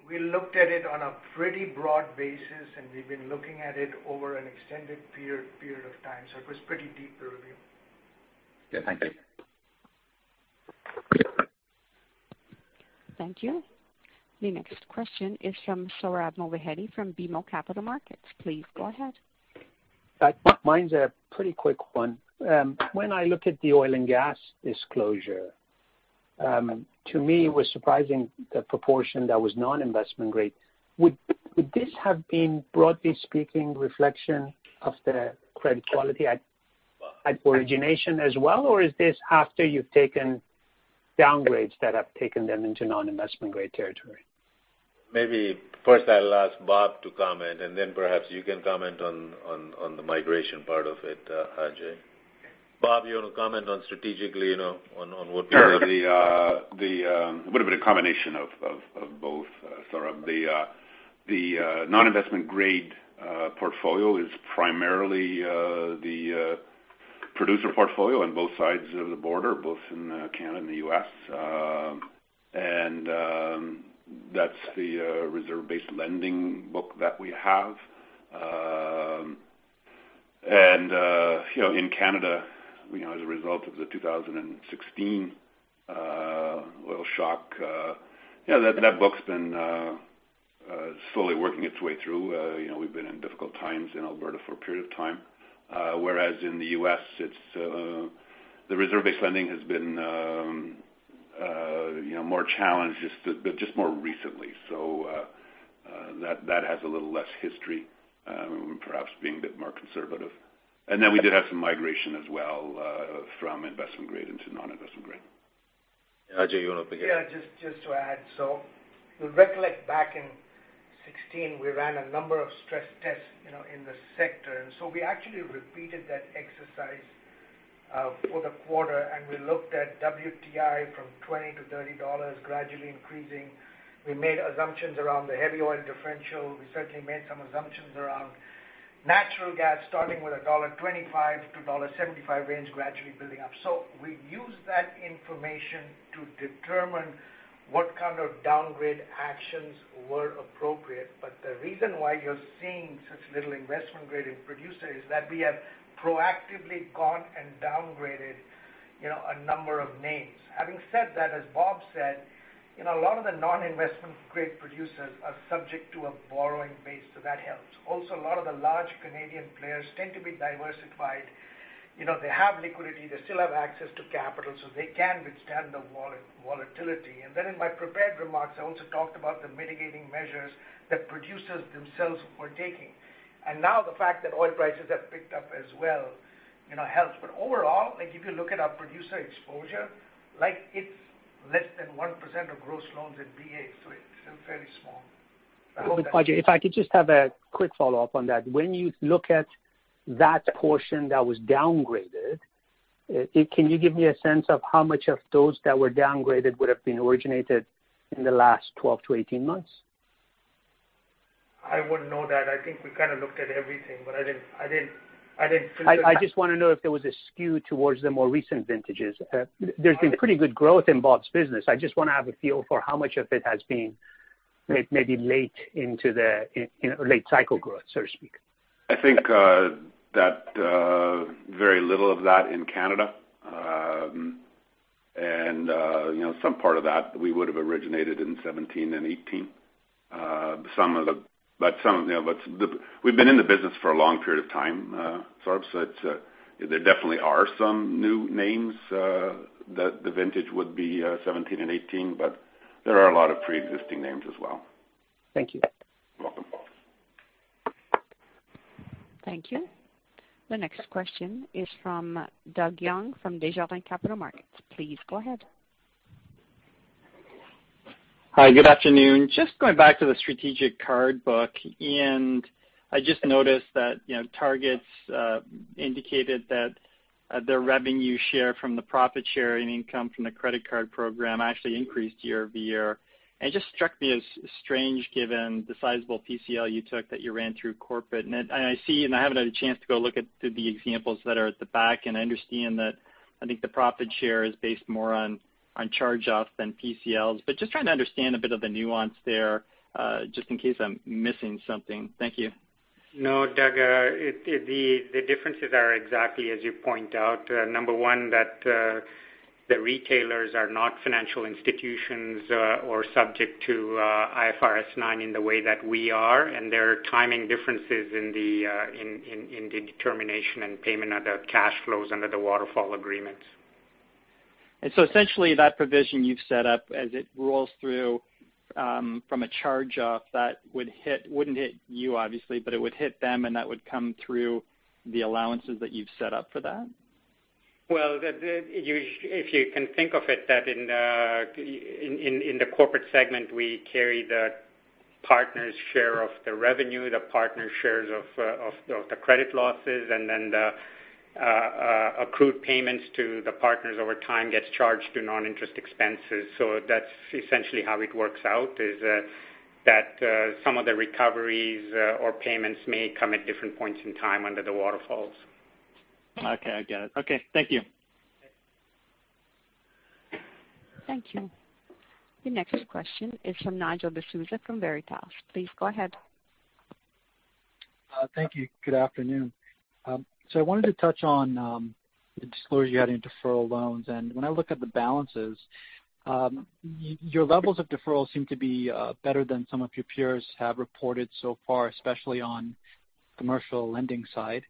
Speaker 5: We looked at it on a pretty broad basis, and we've been looking at it over an extended period of time, so it was pretty deep, the review.
Speaker 14: Yeah. Thank you.
Speaker 1: Thank you. The next question is from Sohrab Movahedi from BMO Capital Markets. Please go ahead.
Speaker 15: Mine's a pretty quick one. When I look at the oil and gas disclosure, to me, it was surprising the proportion that was non-investment grade. Would this have been, broadly speaking, reflection of the credit quality at origination as well, or is this after you've taken downgrades that have taken them into non-investment grade territory?
Speaker 3: Maybe first I'll ask Bob to comment, and then perhaps you can comment on the migration part of it, Ajai. Bob, you want to comment on strategically, on what we-?
Speaker 16: Sure. It would've been a combination of both, Sohrab. The non-investment grade portfolio is primarily the producer portfolio on both sides of the border, both in Canada and the U.S. That's the reserve-based lending book that we have. In Canada, as a result of the 2016 oil shock, that book's been slowly working its way through. We've been in difficult times in Alberta for a period of time. Whereas in the U.S., the reserve-based lending has been more challenged, just more recently. That has a little less history, perhaps being a bit more conservative. We did have some migration as well from investment grade into non-investment grade.
Speaker 3: Ajai, you want to begin?
Speaker 5: Yeah, just to add. You'll recollect back in 2016, we ran a number of stress tests in the sector. We actually repeated that exercise for the quarter, and we looked at WTI from $20-$30, gradually increasing. We made assumptions around the heavy oil differential. We certainly made some assumptions around natural gas, starting with a $1.25-$1.75 range, gradually building up. We used that information to determine what kind of downgrade actions were appropriate. The reason why you're seeing such little investment grade in producer is that we have proactively gone and downgraded a number of names. Having said that, as Bob said, a lot of the non-investment grade producers are subject to a borrowing base, so that helps. Also, a lot of the large Canadian players tend to be diversified. They have liquidity. They still have access to capital, so they can withstand the volatility. In my prepared remarks, I also talked about the mitigating measures that producers themselves were taking. The fact that oil prices have picked up as well helps. Overall, if you look at our producer exposure, it's less than 1% of gross loans and BAs, so it's fairly small.
Speaker 15: Sohrab, if I could just have a quick follow-up on that. When you look at that portion that was downgraded, can you give me a sense of how much of those that were downgraded would've been originated in the last 12-18 months?
Speaker 5: I wouldn't know that. I think we kind of looked at everything.
Speaker 15: I just want to know if there was a skew towards the more recent vintages. There's been pretty good growth in Bob's business. I just want to have a feel for how much of it has been maybe late cycle growth, so to speak.
Speaker 16: I think that very little of that in Canada. Some part of that we would've originated in 2017 and 2018. We've been in the business for a long period of time. There definitely are some new names that the vintage would be 2017 and 2018, but there are a lot of preexisting names as well.
Speaker 15: Thank you.
Speaker 16: You're welcome.
Speaker 1: Thank you. The next question is from Doug Young from Desjardins Capital Markets. Please go ahead.
Speaker 17: Hi, good afternoon. Just going back to the strategic card book. I just noticed that Targets indicated that their revenue share from the profit share and income from the credit card program actually increased year-over-year. It just struck me as strange given the sizable PCL you took that you ran through corporate. I see, I haven't had a chance to go look at the examples that are at the back. I understand that, I think the profit share is based more on charge-offs than PCLs. Just trying to understand a bit of the nuance there, just in case I'm missing something. Thank you.
Speaker 4: No, Doug, the differences are exactly as you point out. Number one, that the retailers are not financial institutions or subject to IFRS 9 in the way that we are. There are timing differences in the determination and payment of the cash flows under the waterfall agreements.
Speaker 17: Essentially that provision you've set up as it rolls through from a charge-off that wouldn't hit you obviously, but it would hit them, and that would come through the allowances that you've set up for that?
Speaker 4: Well, if you can think of it that in the corporate segment, we carry the partner's share of the revenue, the partner shares of the credit losses, the accrued payments to the partners over time gets charged to non-interest expenses. That's essentially how it works out, is that some of the recoveries or payments may come at different points in time under the waterfalls.
Speaker 17: Okay, I get it. Okay, thank you.
Speaker 1: Thank you. The next question is from Nigel D'Souza from Veritas. Please go ahead.
Speaker 18: Thank you. Good afternoon. I wanted to touch on the disclosure you had in deferral loans. When I look at the balances, your levels of deferrals seem to be better than some of your peers have reported so far, especially on commercial lending side.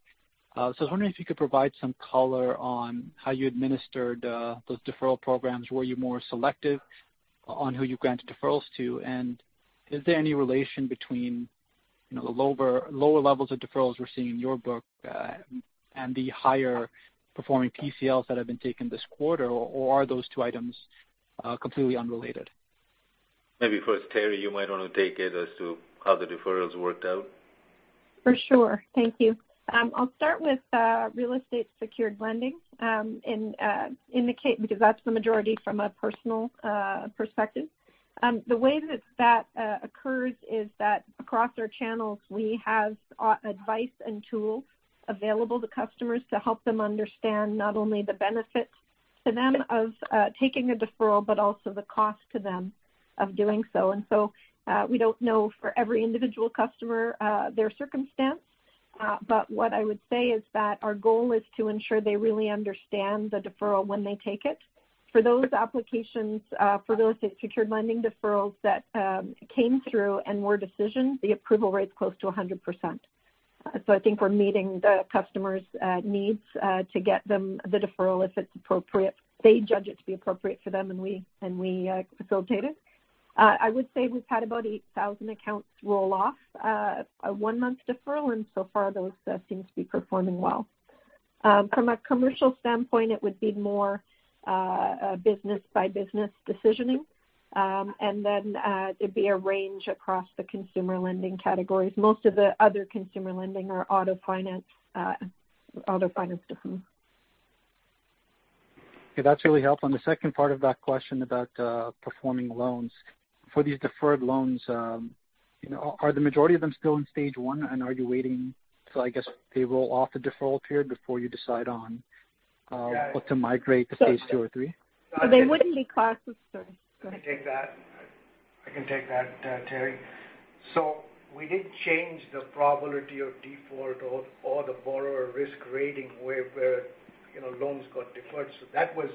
Speaker 18: I was wondering if you could provide some color on how you administered those deferral programs. Were you more selective on who you granted deferrals to? Is there any relation between the lower levels of deferrals we're seeing in your book and the higher performing PCLs that have been taken this quarter, or are those two items completely unrelated?
Speaker 3: Maybe first, Teri, you might want to take it as to how the deferrals worked out.
Speaker 11: For sure. Thank you. I'll start with real estate secured lending because that's the majority from a personal perspective. The way that occurs is that across our channels, we have advice and tools available to customers to help them understand not only the benefits to them of taking a deferral, but also the cost to them of doing so. We don't know for every individual customer their circumstance. What I would say is that our goal is to ensure they really understand the deferral when they take it. For those applications for real estate secured lending deferrals that came through and were decisioned, the approval rate's close to 100%. I think we're meeting the customers' needs to get them the deferral if it's appropriate. They judge it to be appropriate for them, and we facilitate it. I would say we've had about 8,000 accounts roll off a one-month deferral, and so far those seem to be performing well. From a commercial standpoint, it would be more business by business decisioning. Then there'd be a range across the consumer lending categories. Most of the other consumer lending are auto finance deferral.
Speaker 18: Okay. That's really helpful. The second part of that question about performing loans. For these deferred loans, are the majority of them still in Stage 1, and are you waiting till, I guess, they roll off the deferral period before you decide on?
Speaker 5: Yeah.
Speaker 18: To migrate to phase II or III?
Speaker 11: They wouldn't be classed as. Go ahead.
Speaker 5: I can take that, Teri. We didn't change the probability of default or the borrower risk rating where loans got deferred. That was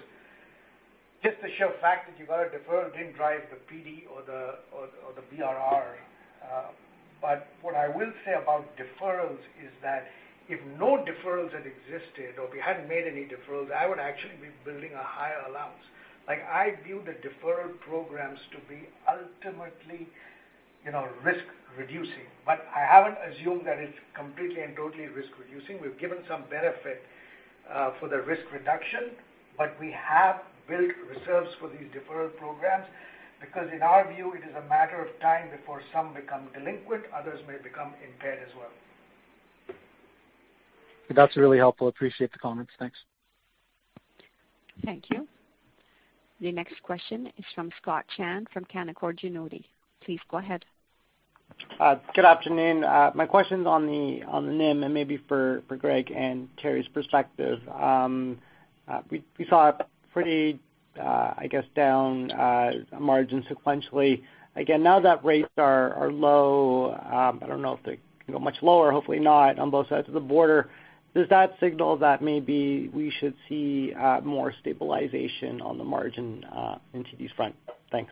Speaker 5: just the sheer fact that you got a deferral didn't drive the PD or the BRR. What I will say about deferrals is that if no deferrals had existed or we hadn't made any deferrals, I would actually be building a higher allowance. I view the deferral programs to be ultimately risk reducing. I haven't assumed that it's completely and totally risk reducing. We've given some benefit for the risk reduction, but we have built reserves for these deferral programs because in our view, it is a matter of time before some become delinquent, others may become impaired as well.
Speaker 18: That's really helpful. Appreciate the comments. Thanks.
Speaker 1: Thank you. The next question is from Scott Chan from Canaccord Genuity. Please go ahead.
Speaker 19: Good afternoon. My question's on the NIM and maybe for Greg and Teri's perspective. Now that rates are low, I don't know if they can go much lower, hopefully not on both sides of the border. Does that signal that maybe we should see more stabilization on the margin into these fronts? Thanks.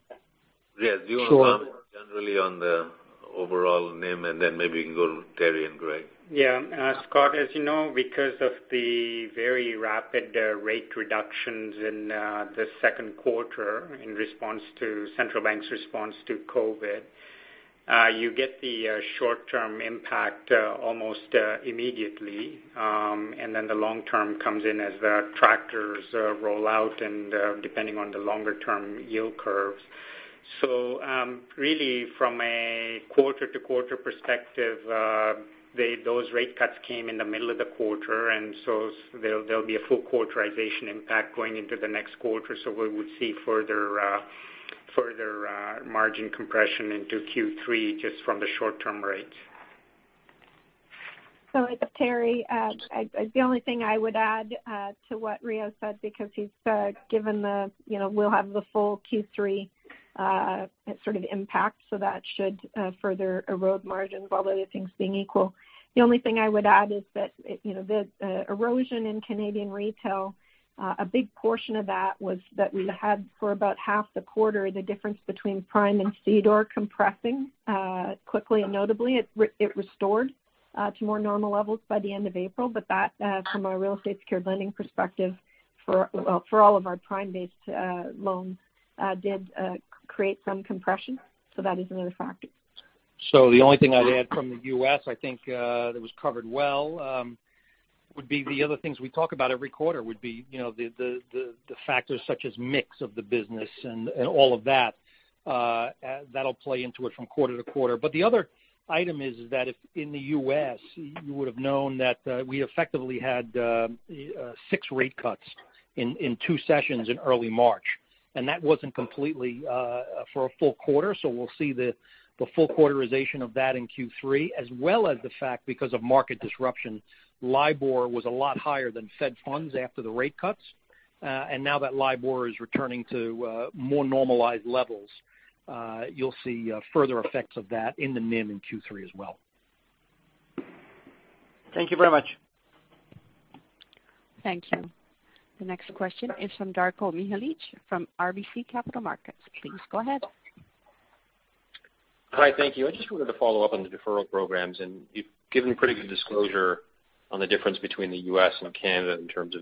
Speaker 3: Yeah. Do you want to comment?
Speaker 4: Sure. Generally on the overall NIM, and then maybe we can go to Teri and Greg. Yeah. Scott, as you know, because of the very rapid rate reductions in the second quarter in response to central bank's response to COVID you get the short-term impact almost immediately. Then the long term comes in as the tractors roll out and depending on the longer term yield curves. Really from a quarter-to-quarter perspective those rate cuts came in the middle of the quarter, there'll be a full quarterization impact going into the next quarter. We would see further margin compression into Q3 just from the short term rates.
Speaker 11: It's Teri. The only thing I would add to what Riaz said because he's given the we'll have the full Q3 sort of impact, that should further erode margins while the other things being equal. The only thing I would add is that the erosion in Canadian retail, a big portion of that was that we had for about half the quarter the difference between prime and CDOR compressing quickly and notably. It restored to more normal levels by the end of April. That from a real estate secured lending perspective for all of our prime-based loans did create some compression. That is another factor.
Speaker 13: The only thing I'd add from the U.S., I think that was covered well would be the other things we talk about every quarter would be the factors such as mix of the business and all of that. That'll play into it from quarter to quarter. The other item is that if in the U.S. you would've known that we effectively had six rate cuts in two sessions in early March. That wasn't completely for a full quarter, so we'll see the full quarterization of that in Q3, as well as the fact because of market disruption, LIBOR was a lot higher than Fed funds after the rate cuts. Now that LIBOR is returning to more normalized levels, you'll see further effects of that in the NIM in Q3 as well.
Speaker 19: Thank you very much.
Speaker 1: Thank you. The next question is from Darko Mihelic from RBC Capital Markets. Please go ahead.
Speaker 20: Hi, thank you. I just wanted to follow up on the deferral programs, you've given pretty good disclosure on the difference between the U.S. and Canada in terms of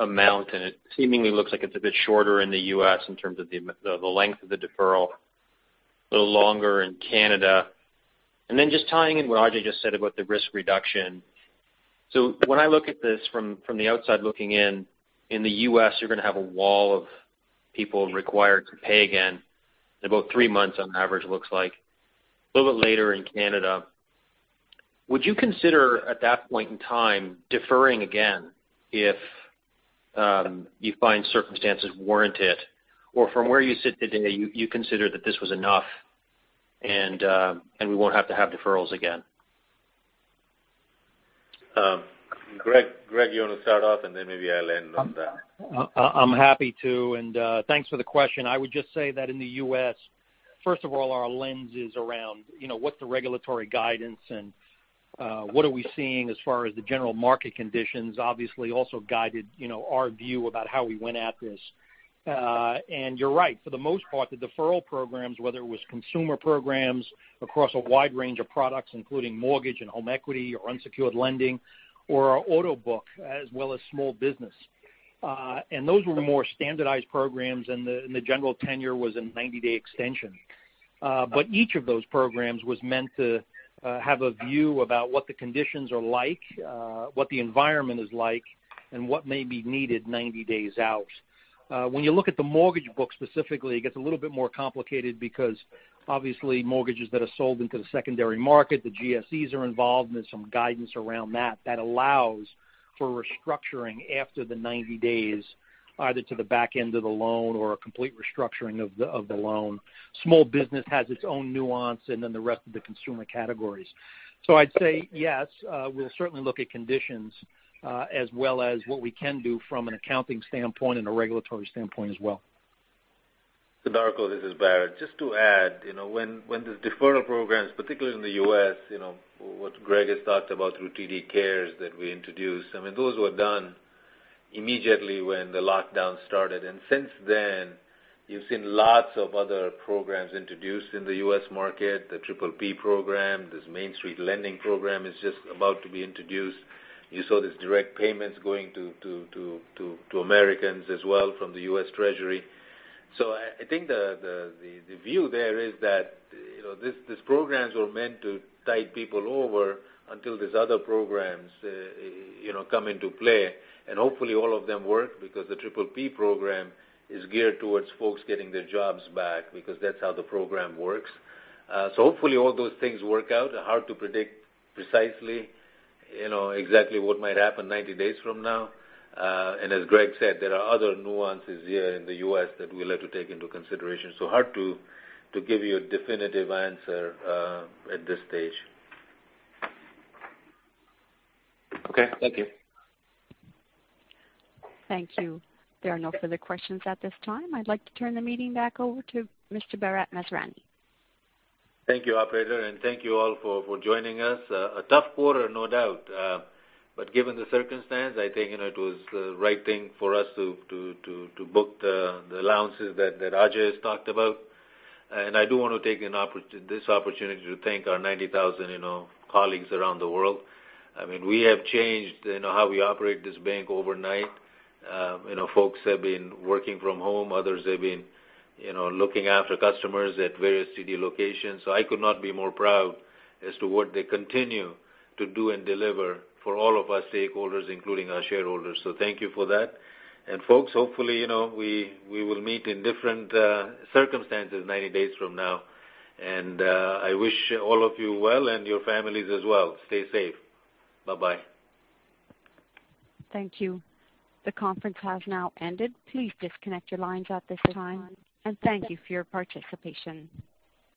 Speaker 20: amount, it seemingly looks like it's a bit shorter in the U.S. in terms of the length of the deferral, a little longer in Canada. Just tying in what Ajai just said about the risk reduction. When I look at this from the outside looking in the U.S., you're going to have a wall of people required to pay again in about three months on average, looks like. A little bit later in Canada. Would you consider at that point in time deferring again if you find circumstances warrant it? From where you sit today, you consider that this was enough and we won't have to have deferrals again?
Speaker 3: Greg, you want to start off, and then maybe I'll end on that.
Speaker 13: I'm happy to. Thanks for the question. I would just say that in the U.S., first of all, our lens is around what the regulatory guidance and what are we seeing as far as the general market conditions obviously also guided our view about how we went at this. You're right. For the most part, the deferral programs, whether it was consumer programs across a wide range of products, including mortgage and home equity or unsecured lending, or our auto book, as well as small business. Those were the more standardized programs, and the general tenor was a 90-day extension. Each of those programs was meant to have a view about what the conditions are like, what the environment is like, and what may be needed 90-days out. When you look at the mortgage book specifically, it gets a little bit more complicated because obviously mortgages that are sold into the secondary market, the GSEs are involved, and there's some guidance around that allows for restructuring after the 90-days, either to the back end of the loan or a complete restructuring of the loan. Small business has its own nuance, and then the rest of the consumer categories. I'd say yes, we'll certainly look at conditions as well as what we can do from an accounting standpoint and a regulatory standpoint as well.
Speaker 3: Darko, this is Bharat. Just to add, when the deferral programs, particularly in the U.S., what Greg has talked about through TD Cares that we introduced, those were done immediately when the lockdown started. Since then, you've seen lots of other programs introduced in the U.S. market, the Triple P Program, this Main Street Lending Program is just about to be introduced. You saw these direct payments going to Americans as well from the U.S. Treasury. I think the view there is that these programs were meant to tide people over until these other programs come into play, and hopefully all of them work because the Triple P Program is geared towards folks getting their jobs back because that's how the program works. Hopefully all those things work out. Hard to predict precisely exactly what might happen 90-days from now. As Greg said, there are other nuances here in the U.S. that we'll have to take into consideration. Hard to give you a definitive answer at this stage.
Speaker 20: Okay. Thank you.
Speaker 1: Thank you. There are no further questions at this time. I'd like to turn the meeting back over to Mr. Bharat Masrani.
Speaker 3: Thank you, operator, and thank you all for joining us. A tough quarter, no doubt. Given the circumstance, I think it was the right thing for us to book the allowances that Ajai has talked about. I do want to take this opportunity to thank our 90,000 colleagues around the world. We have changed how we operate this bank overnight. Folks have been working from home. Others have been looking after customers at various city locations. I could not be more proud as to what they continue to do and deliver for all of our stakeholders, including our shareholders. Thank you for that. Folks, hopefully, we will meet in different circumstances 90-days from now. I wish all of you well and your families as well. Stay safe. Bye-bye.
Speaker 1: Thank you. The conference has now ended. Please disconnect your lines at this time, and thank you for your participation.